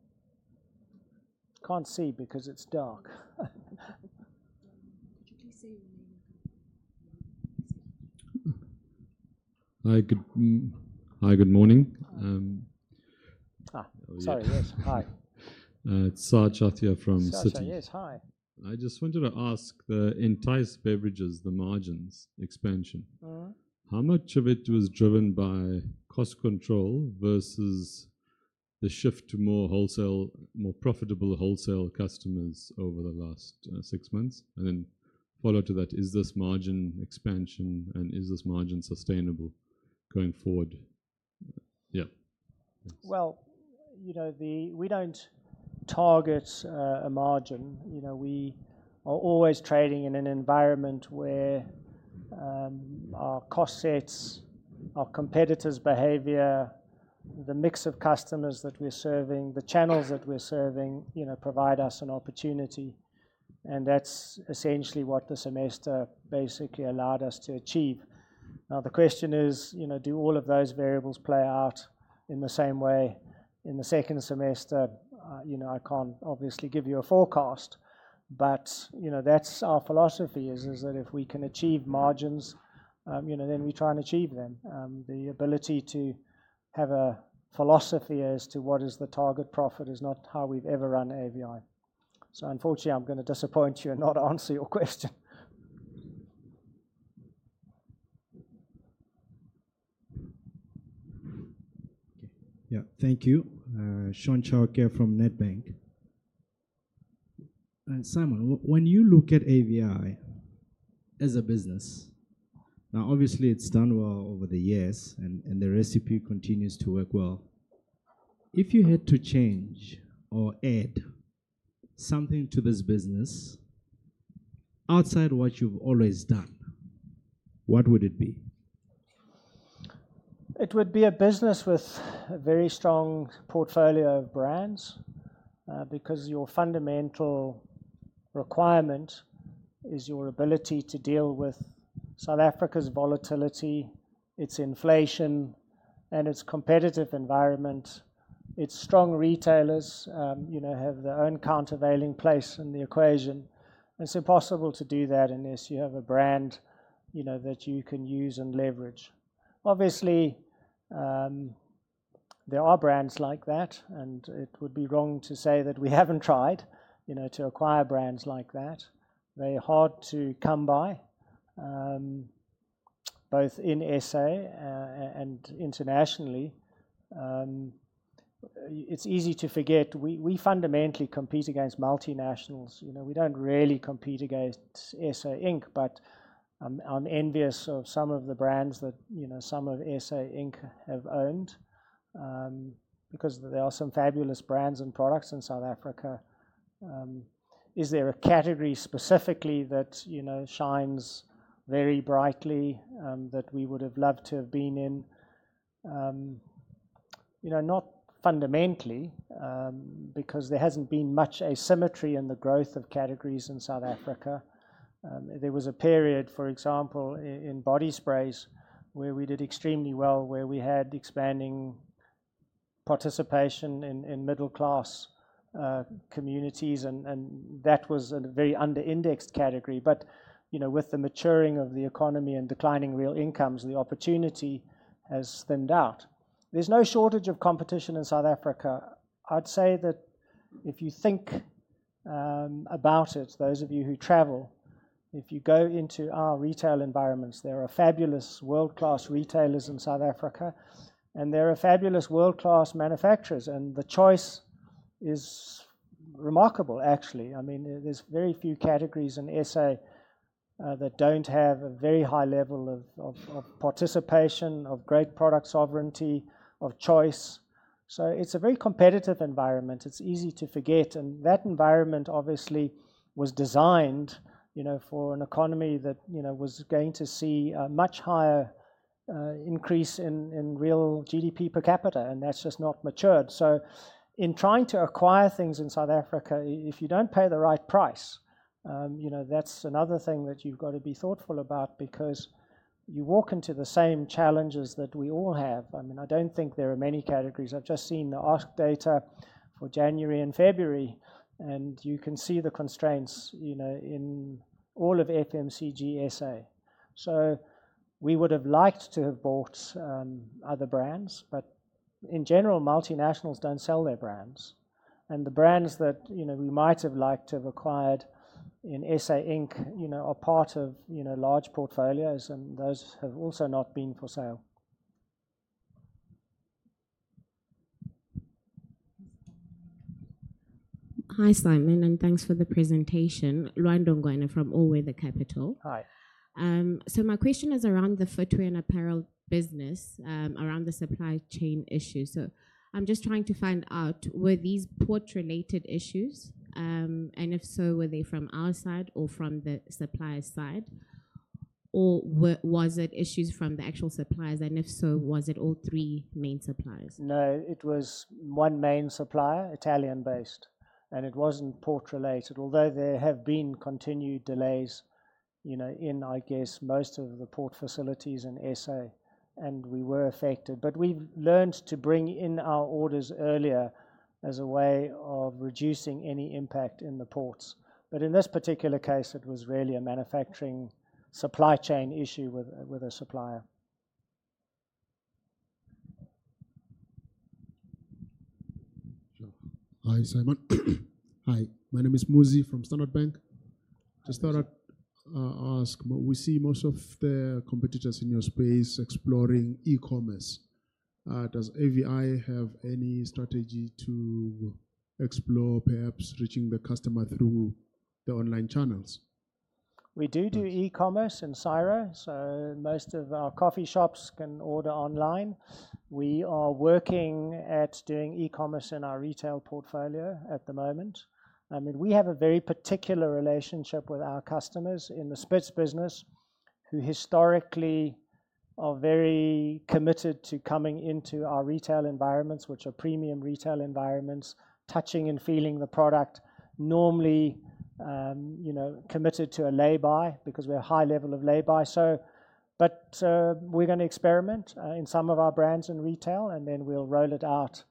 Cannot see because it is dark. Hi. Good morning. Sorry, yes. Hi. It is [Saj Athia from Sutton]. Yes, hi. I just wanted to ask the Entyce beverages, the margins expansion. How much of it was driven by cost control versus the shift to more profitable wholesale customers over the last six months? Then follow to that, is this margin expansion and is this margin sustainable going forward? Yeah. We do not target a margin. We are always trading in an environment where our cost sets, our competitors' behavior, the mix of customers that we're serving, the channels that we're serving provide us an opportunity. That's essentially what the semester basically allowed us to achieve. Now, the question is, do all of those variables play out in the same way in the second semester? I can't obviously give you a forecast, but that's our philosophy, is that if we can achieve margins, then we try and achieve them. The ability to have a philosophy as to what is the target profit is not how we've ever run AVI. Unfortunately, I'm going to disappoint you and not answer your question. Thank you. Sean Chowker from Nedbank. Simon, when you look at AVI as a business, now, obviously, it's done well over the years, and the recipe continues to work well. If you had to change or add something to this business outside what you've always done, what would it be? It would be a business with a very strong portfolio of brands because your fundamental requirement is your ability to deal with South Africa's volatility, its inflation, and its competitive environment. Its strong retailers have their own countervailing place in the equation. It's impossible to do that unless you have a brand that you can use and leverage. Obviously, there are brands like that, and it would be wrong to say that we haven't tried to acquire brands like that. They're hard to come by, both in SA and internationally. It's easy to forget we fundamentally compete against multinationals. We don't really compete against SA Inc., but I'm envious of some of the brands that some of SA Inc. have owned because there are some fabulous brands and products in South Africa. Is there a category specifically that shines very brightly that we would have loved to have been in? Not fundamentally because there has not been much asymmetry in the growth of categories in South Africa. There was a period, for example, in body sprays where we did extremely well, where we had expanding participation in middle-class communities, and that was a very under-indexed category. With the maturing of the economy and declining real incomes, the opportunity has thinned out. There is no shortage of competition in South Africa. I would say that if you think about it, those of you who travel, if you go into our retail environments, there are fabulous world-class retailers in South Africa, and there are fabulous world-class manufacturers. The choice is remarkable, actually. I mean, there's very few categories in SA that don't have a very high level of participation, of great product sovereignty, of choice. It is a very competitive environment. It's easy to forget. That environment, obviously, was designed for an economy that was going to see a much higher increase in real GDP per capita, and that's just not matured. In trying to acquire things in South Africa, if you don't pay the right price, that's another thing that you've got to be thoughtful about because you walk into the same challenges that we all have. I mean, I don't think there are many categories. I've just seen the ARC data for January and February, and you can see the constraints in all of FMCG SA. We would have liked to have bought other brands, but in general, multinationals don't sell their brands. The brands that we might have liked to have acquired in SA Inc. are part of large portfolios, and those have also not been for sale. Hi, Simon, and thanks for the presentation. [Ruan Dongguan from Owewe The Capital]. Hi. My question is around the footwear and apparel business, around the supply chain issues. I am just trying to find out, were these port-related issues? If so, were they from our side or from the supplier's side? Or was it issues from the actual suppliers? If so, was it all three main suppliers? No, it was one main supplier, Italian-based, and it was not port-related, although there have been continued delays in, I guess, most of the port facilities in SA, and we were affected. We have learned to bring in our orders earlier as a way of reducing any impact in the ports. In this particular case, it was really a manufacturing supply chain issue with a supplier. Hi, Simon. Hi. My name is Muzi from Standard Bank. To start, I'll ask, we see most of the competitors in your space exploring e-commerce. Does AVI have any strategy to explore perhaps reaching the customer through the online channels? We do do e-commerce in Cairo, so most of our coffee shops can order online. We are working at doing e-commerce in our retail portfolio at the moment. I mean, we have a very particular relationship with our customers in the Spitz business who historically are very committed to coming into our retail environments, which are premium retail environments, touching and feeling the product, normally committed to a lay-by because we have a high level of lay-by. We are going to experiment in some of our brands in retail, and then we'll roll it out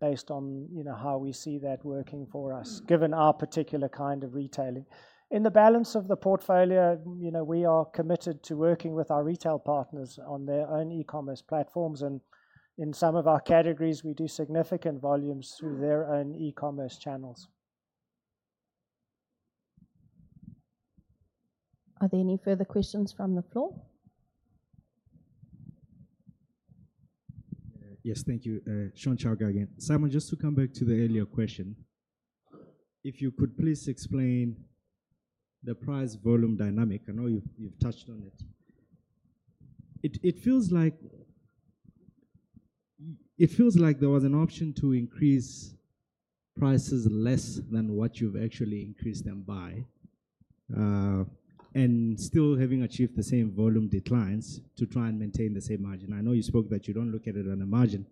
based on how we see that working for us, given our particular kind of retailing. In the balance of the portfolio, we are committed to working with our retail partners on their own e-commerce platforms. In some of our categories, we do significant volumes through their own e-commerce channels. Are there any further questions from the floor? Yes, thank you. [Sean Chowker] again. Simon, just to come back to the earlier question, if you could please explain the price-volume dynamic. I know you've touched on it. It feels like there was an option to increase prices less than what you've actually increased them by and still having achieved the same volume declines to try and maintain the same margin. I know you spoke that you don't look at it on a margin.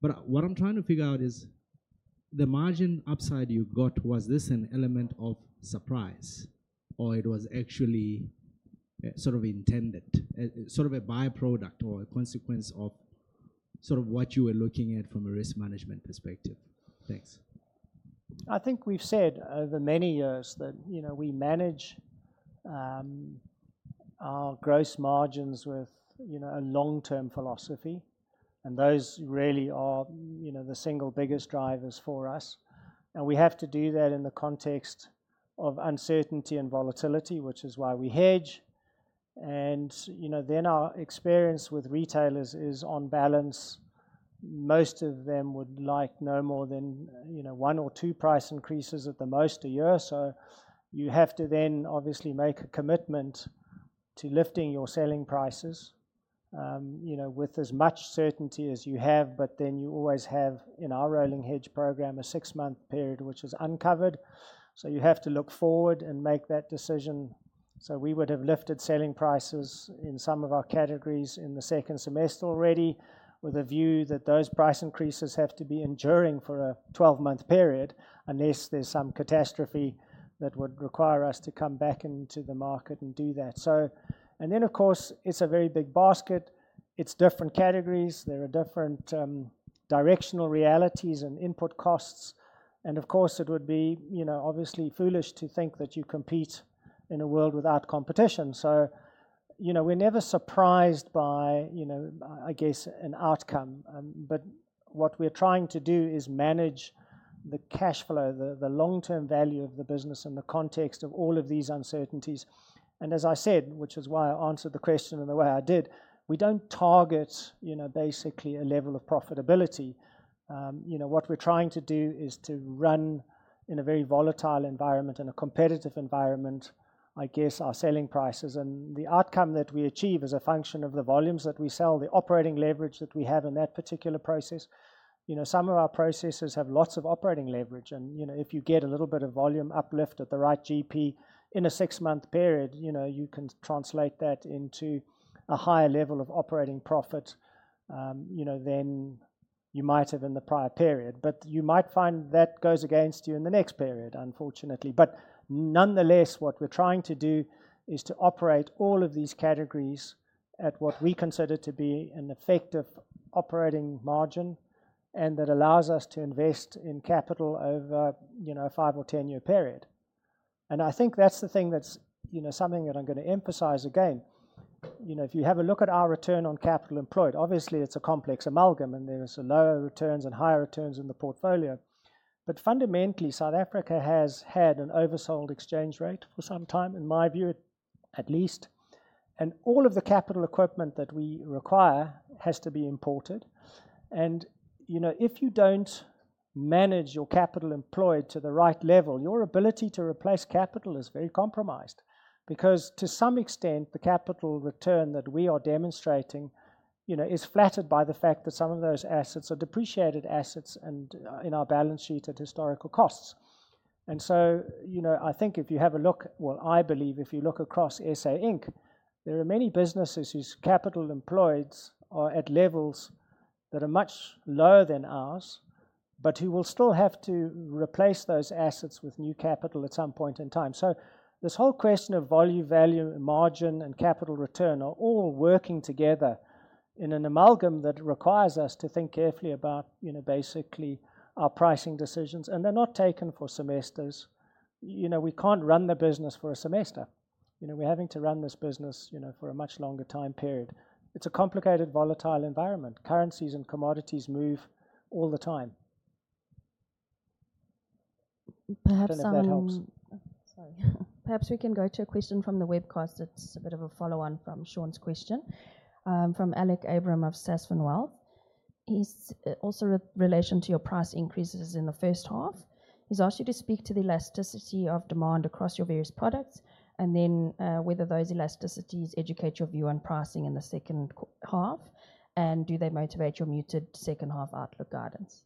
What I'm trying to figure out is the margin upside you got, was this an element of surprise, or it was actually sort of intended, sort of a byproduct or a consequence of sort of what you were looking at from a risk management perspective? Thanks. I think we've said over many years that we manage our gross margins with a long-term philosophy, and those really are the single biggest drivers for us. We have to do that in the context of uncertainty and volatility, which is why we hedge. Our experience with retailers is on balance, most of them would like no more than one or two price increases at the most a year. You have to then obviously make a commitment to lifting your selling prices with as much certainty as you have. You always have, in our rolling hedge program, a six-month period which is uncovered. You have to look forward and make that decision. We would have lifted selling prices in some of our categories in the second semester already with a view that those price increases have to be enduring for a 12-month period unless there's some catastrophe that would require us to come back into the market and do that. Of course, it's a very big basket. It's different categories. There are different directional realities and input costs. Of course, it would be obviously foolish to think that you compete in a world without competition. We're never surprised by, I guess, an outcome. What we're trying to do is manage the cash flow, the long-term value of the business in the context of all of these uncertainties. As I said, which is why I answered the question in the way I did, we don't target basically a level of profitability. What we're trying to do is to run in a very volatile environment, in a competitive environment, I guess, our selling prices. The outcome that we achieve is a function of the volumes that we sell, the operating leverage that we have in that particular process. Some of our processes have lots of operating leverage. If you get a little bit of volume uplift at the right GP in a six-month period, you can translate that into a higher level of operating profit than you might have in the prior period. You might find that goes against you in the next period, unfortunately. Nonetheless, what we're trying to do is to operate all of these categories at what we consider to be an effective operating margin and that allows us to invest in capital over a five or ten-year period. I think that's the thing that's something that I'm going to emphasize again. If you have a look at our return on capital employed, obviously, it's a complex amalgam, and there are lower returns and higher returns in the portfolio. Fundamentally, South Africa has had an oversold exchange rate for some time, in my view, at least. All of the capital equipment that we require has to be imported. If you don't manage your capital employed to the right level, your ability to replace capital is very compromised because, to some extent, the capital return that we are demonstrating is flattered by the fact that some of those assets are depreciated assets and in our balance sheet at historical costs. I think if you have a look at, well, I believe if you look across SA Inc., there are many businesses whose capital employed are at levels that are much lower than ours, but who will still have to replace those assets with new capital at some point in time. This whole question of volume, value, margin, and capital return are all working together in an amalgam that requires us to think carefully about basically our pricing decisions. They're not taken for semesters. We can't run the business for a semester. We're having to run this business for a much longer time period. It's a complicated, volatile environment. Currencies and commodities move all the time. Perhaps that helps. Perhaps we can go to a question from the webcast that's a bit of a follow-on from Sean's question from Alec Abram of Sasson Wealth. He's also in relation to your price increases in the first half. He's asked you to speak to the elasticity of demand across your various products and then whether those elasticities educate your view on pricing in the second half, and do they motivate your muted second-half outlook guidance?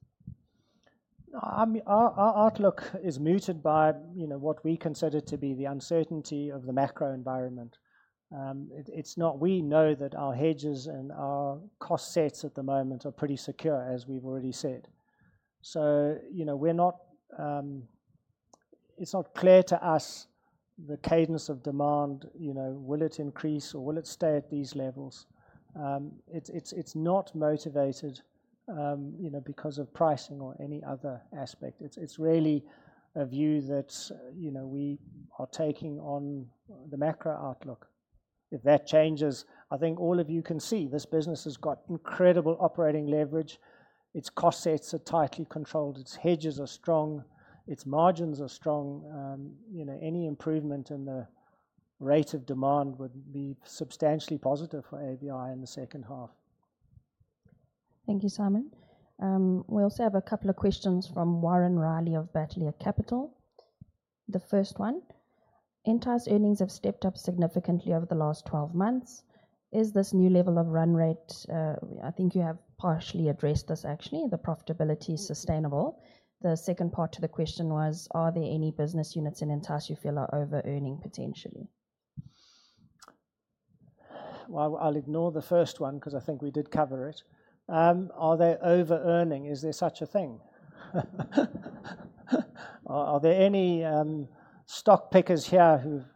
Our outlook is muted by what we consider to be the uncertainty of the macro environment. It's not we know that our hedges and our cost sets at the moment are pretty secure, as we've already said. It is not clear to us the cadence of demand, will it increase or will it stay at these levels? It is not motivated because of pricing or any other aspect. It is really a view that we are taking on the macro outlook. If that changes, I think all of you can see this business has got incredible operating leverage. Its cost sets are tightly controlled. Its hedges are strong. Its margins are strong. Any improvement in the rate of demand would be substantially positive for AVI in the second half. Thank you, Simon. We also have a couple of questions from Warren Riley of Bateleur Capital. The first one, Intel's earnings have stepped up significantly over the last 12 months. Is this new level of run rate? I think you have partially addressed this, actually. The profitability is sustainable. The second part to the question was, are there any business units in AVI you feel are over-earning potentially? I'll ignore the first one because I think we did cover it. Are they over-earning? Is there such a thing? Are there any stock pickers here who've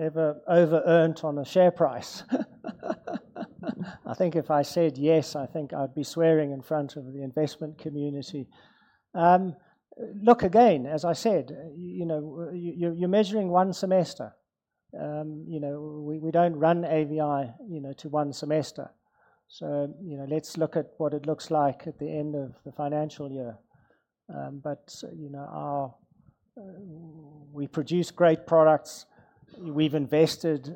ever over-earned on a share price? I think if I said yes, I think I'd be swearing in front of the investment community. Look again, as I said, you're measuring one semester. We don't run AVI to one semester. Let's look at what it looks like at the end of the financial year. We produce great products. We've invested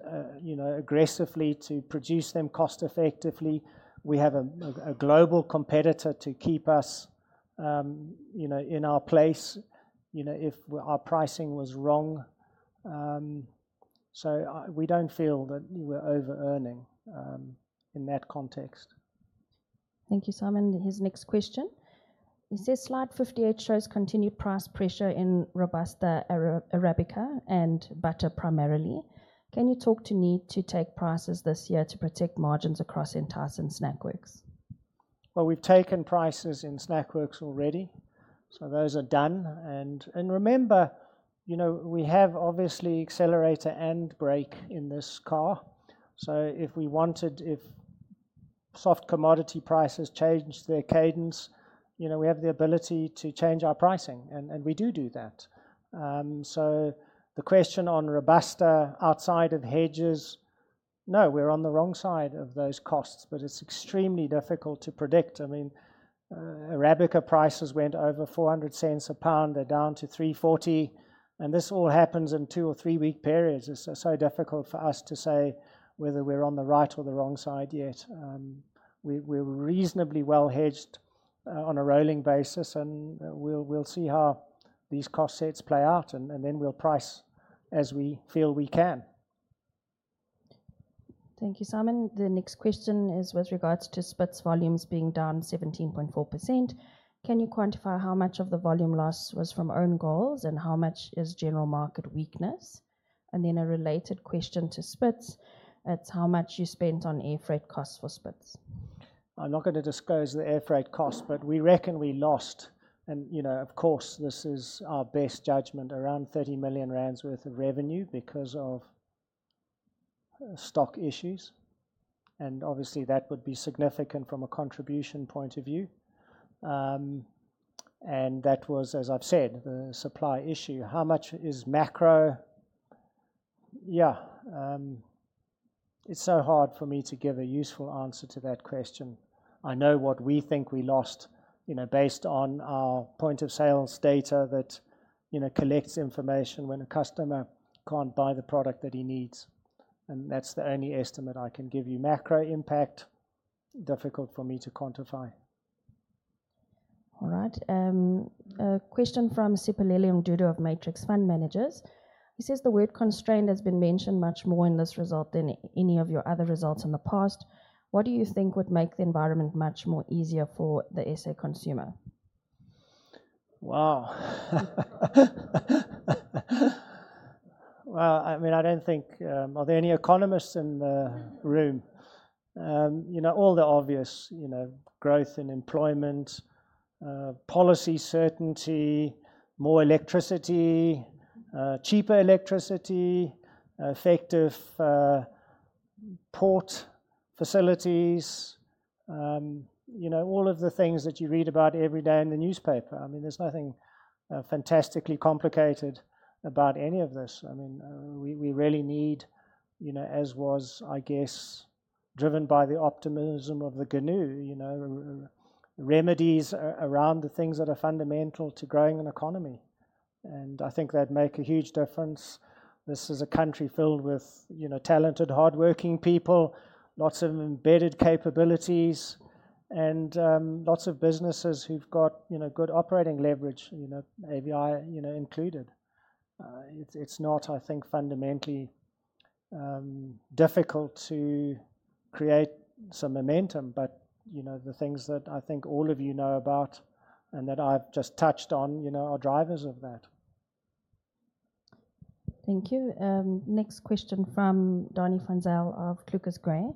aggressively to produce them cost-effectively. We have a global competitor to keep us in our place if our pricing was wrong. We don't feel that we're over-earning in that context. Thank you, Simon. His next question. He says slide 58 shows continued price pressure in Robusta, Arabica, and Butter primarily. Can you talk to me to take prices this year to protect margins across Entyce and Snackworks? We've taken prices in Snackworks already. Those are done. Remember, we have obviously accelerator and brake in this car. If we wanted, if soft commodity prices change their cadence, we have the ability to change our pricing. We do do that. The question on Robusta outside of hedges, no, we're on the wrong side of those costs, but it's extremely difficult to predict. I mean, Arabica prices went over 4.00 a pound. They're down to 3.40. This all happens in two or three-week periods. It's so difficult for us to say whether we're on the right or the wrong side yet. We're reasonably well-hedged on a rolling basis, and we'll see how these cost sets play out, and then we'll price as we feel we can. Thank you, Simon. The next question is with regards to Spitz volumes being down 17.4%. Can you quantify how much of the volume loss was from own goals and how much is general market weakness? A related question to Spitz is how much you spent on air freight costs for Spitz. I'm not going to disclose the air freight costs, but we reckon we lost, and of course, this is our best judgment, around 30 million rand worth of revenue because of stock issues. Obviously, that would be significant from a contribution point of view. That was, as I've said, the supply issue. How much is macro? Yeah. It's so hard for me to give a useful answer to that question. I know what we think we lost based on our point of sales data that collects information when a customer can't buy the product that he needs. That's the only estimate I can give you. Macro impact, difficult for me to quantify. All right. Question from [Sippa Lillian, Doodle] of Matrix Fund Managers. He says the word constraint has been mentioned much more in this result than any of your other results in the past. What do you think would make the environment much more easier for the SA consumer? Wow. I mean, I don't think are there any economists in the room? All the obvious growth in employment, policy certainty, more electricity, cheaper electricity, effective port facilities, all of the things that you read about every day in the newspaper. I mean, there's nothing fantastically complicated about any of this. I mean, we really need, as was, I guess, driven by the optimism of the Ganoo, remedies around the things that are fundamental to growing an economy. I think that'd make a huge difference. This is a country filled with talented, hardworking people, lots of embedded capabilities, and lots of businesses who've got good operating leverage, AVI included. It's not, I think, fundamentally difficult to create some momentum, but the things that I think all of you know about and that I've just touched on are drivers of that. Thank you. Next question from Donnie Francell of Clucas Gray.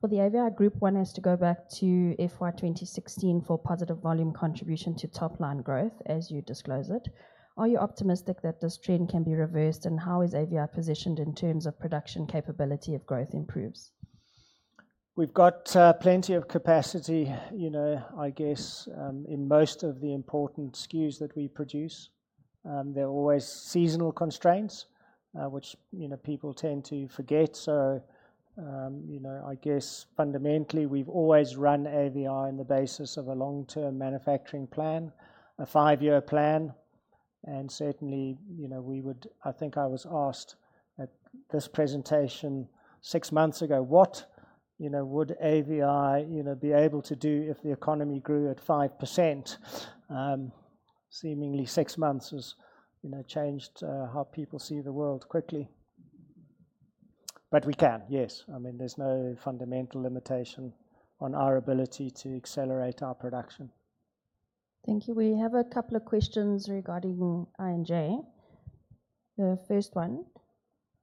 For the AVI group, one has to go back to FY 2016 for positive volume contribution to top-line growth, as you disclose it. Are you optimistic that this trend can be reversed, and how is AVI positioned in terms of production capability if growth improves? We've got plenty of capacity, I guess, in most of the important SKUs that we produce. There are always seasonal constraints, which people tend to forget. I guess fundamentally, we've always run AVI on the basis of a long-term manufacturing plan, a five-year plan. Certainly, I think I was asked at this presentation six months ago, what would AVI be able to do if the economy grew at 5%? Seemingly, six months has changed how people see the world quickly. We can, yes. I mean, there's no fundamental limitation on our ability to accelerate our production. Thank you. We have a couple of questions regarding I&J. The first one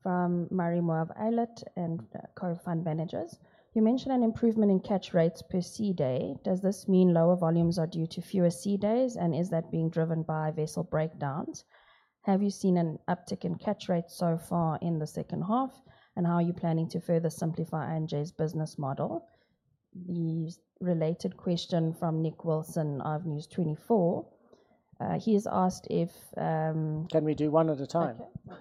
from [Mari Moav Eilert and Co-Fund Managers]. You mentioned an improvement in catch rates per sea day. Does this mean lower volumes are due to fewer sea days, and is that being driven by vessel breakdowns? Have you seen an uptick in catch rates so far in the second half, and how are you planning to further simplify I&J's business model? The related question from Nick Wilson of News24. He's asked if. Can we do one at a time? Okay, no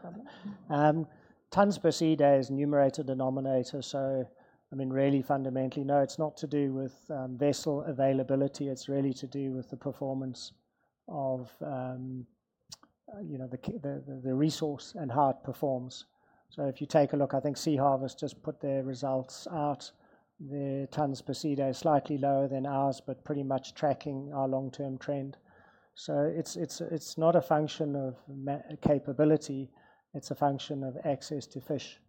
problem. Tons per sea day is numerator denominator. I mean, really, fundamentally, no, it's not to do with vessel availability. It's really to do with the performance of the resource and how it performs. If you take a look, I think Sea Harvest just put their results out. The tons per sea day is slightly lower than ours, but pretty much tracking our long-term trend. It's not a function of capability. It's a function of access to fish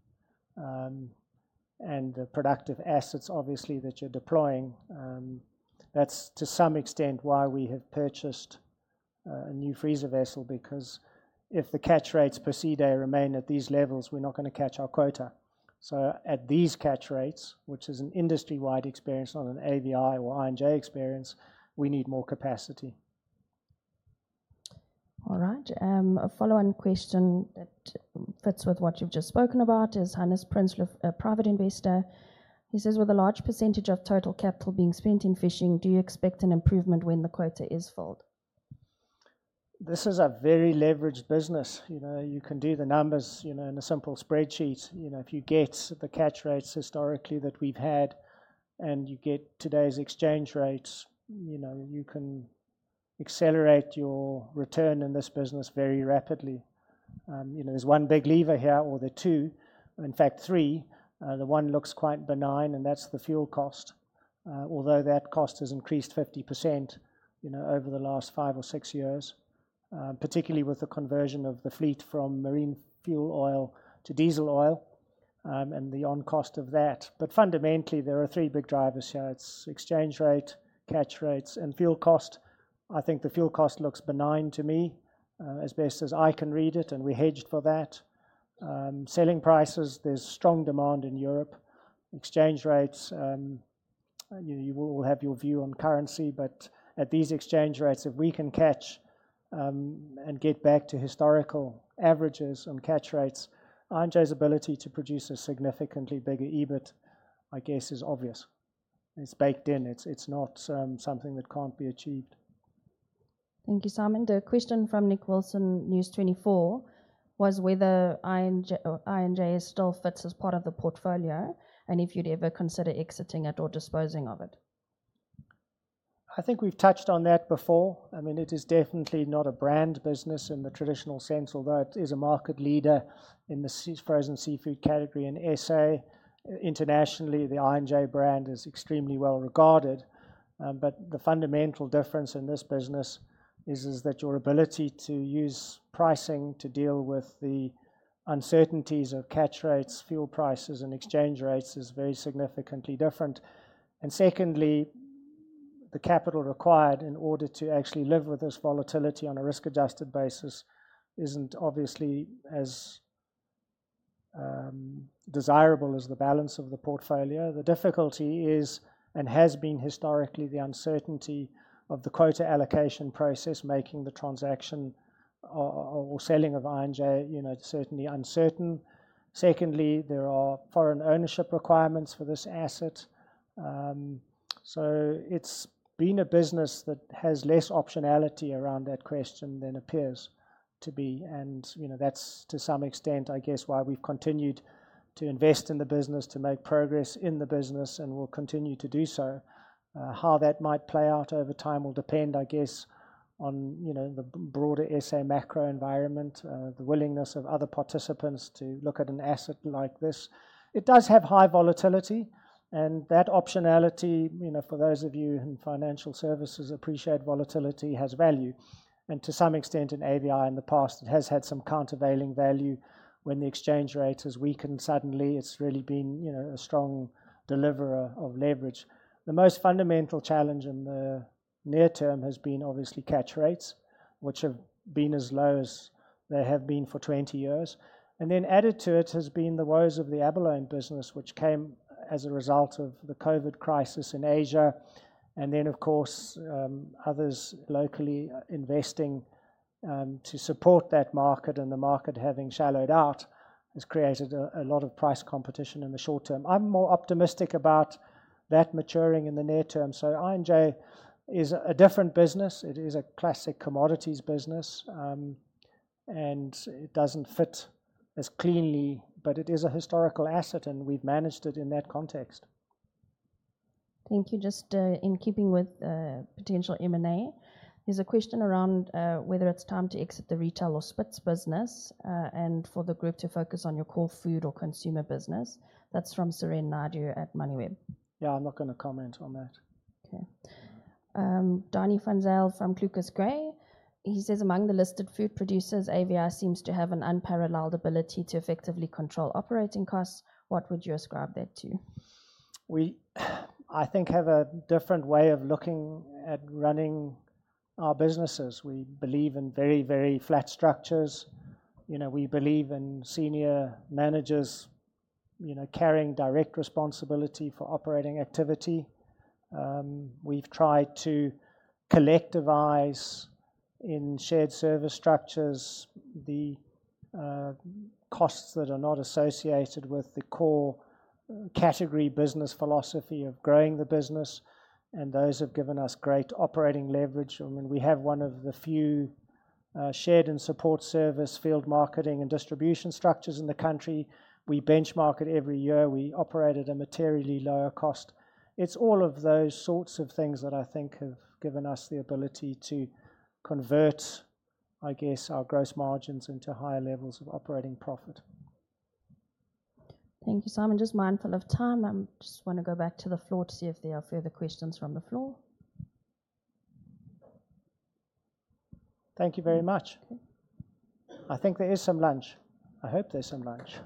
and the productive assets, obviously, that you're deploying. That's, to some extent, why we have purchased a new freezer vessel because if the catch rates per sea day remain at these levels, we're not going to catch our quota. At these catch rates, which is an industry-wide experience on an AVI or I&J experience, we need more capacity. All right. A follow-on question that fits with what you've just spoken about is Hannes Prinsloo, a private investor. He says, with a large percentage of total capital being spent in fishing, do you expect an improvement when the quota is filled? This is a very leveraged business. You can do the numbers in a simple spreadsheet. If you get the catch rates historically that we've had and you get today's exchange rates, you can accelerate your return in this business very rapidly. There's one big lever here or there are two, in fact, three. The one looks quite benign, and that's the fuel cost, although that cost has increased 50% over the last five or six years, particularly with the conversion of the fleet from marine fuel oil to diesel oil and the on-cost of that. Fundamentally, there are three big drivers here. It's exchange rate, catch rates, and fuel cost. I think the fuel cost looks benign to me as best as I can read it, and we hedged for that. Selling prices, there's strong demand in Europe. Exchange rates, you will have your view on currency, but at these exchange rates, if we can catch and get back to historical averages on catch rates, I&J's ability to produce a significantly bigger EBIT, I guess, is obvious. It's baked in. It's not something that can't be achieved. Thank you, Simon. The question from Nick Wilson, News24, was whether I&J still fits as part of the portfolio and if you'd ever consider exiting it or disposing of it. I think we've touched on that before. I mean, it is definitely not a brand business in the traditional sense, although it is a market leader in the frozen seafood category in SA. Internationally, the I&J brand is extremely well regarded. The fundamental difference in this business is that your ability to use pricing to deal with the uncertainties of catch rates, fuel prices, and exchange rates is very significantly different. Secondly, the capital required in order to actually live with this volatility on a risk-adjusted basis isn't obviously as desirable as the balance of the portfolio. The difficulty is and has been historically the uncertainty of the quota allocation process making the transaction or selling of I&J certainly uncertain. Secondly, there are foreign ownership requirements for this asset. It has been a business that has less optionality around that question than appears to be. To some extent, I guess, that is why we have continued to invest in the business, to make progress in the business, and we will continue to do so. How that might play out over time will depend, I guess, on the broader SA macro environment, the willingness of other participants to look at an asset like this. It does have high volatility. That optionality, for those of you in financial services who appreciate volatility, has value. To some extent, in AVI in the past, it has had some countervailing value. When the exchange rate has weakened suddenly, it has really been a strong deliverer of leverage. The most fundamental challenge in the near term has been obviously catch rates, which have been as low as they have been for 20 years. Added to it has been the woes of the Abalone business, which came as a result of the COVID crisis in Asia. Of course, others locally investing to support that market and the market having shallowed out has created a lot of price competition in the short term. I'm more optimistic about that maturing in the near term. I&J is a different business. It is a classic commodities business, and it doesn't fit as cleanly, but it is a historical asset, and we've managed it in that context. Thank you. Just in keeping with potential M&A, there's a question around whether it's time to exit the retail or Spitz business and for the group to focus on your core food or consumer business. That's from Serene Nardio at MoneyWeb. Yeah, I'm not going to comment on that. Okay. Donnie Fanzell from Clucas Gray. He says, among the listed food producers, AVI seems to have an unparalleled ability to effectively control operating costs. What would you ascribe that to? We I think have a different way of looking at running our businesses. We believe in very, very flat structures. We believe in senior managers carrying direct responsibility for operating activity. We've tried to collectivise in shared service structures the costs that are not associated with the core category business philosophy of growing the business. Those have given us great operating leverage. I mean, we have one of the few shared and support service field marketing and distribution structures in the country. We benchmark it every year. We operate at a materially lower cost. It's all of those sorts of things that I think have given us the ability to convert, I guess, our gross margins into higher levels of operating profit. Thank you, Simon. Just mindful of time. I just want to go back to the floor to see if there are further questions from the floor. Thank you very much. I think there is some lunch. I hope there's some lunch.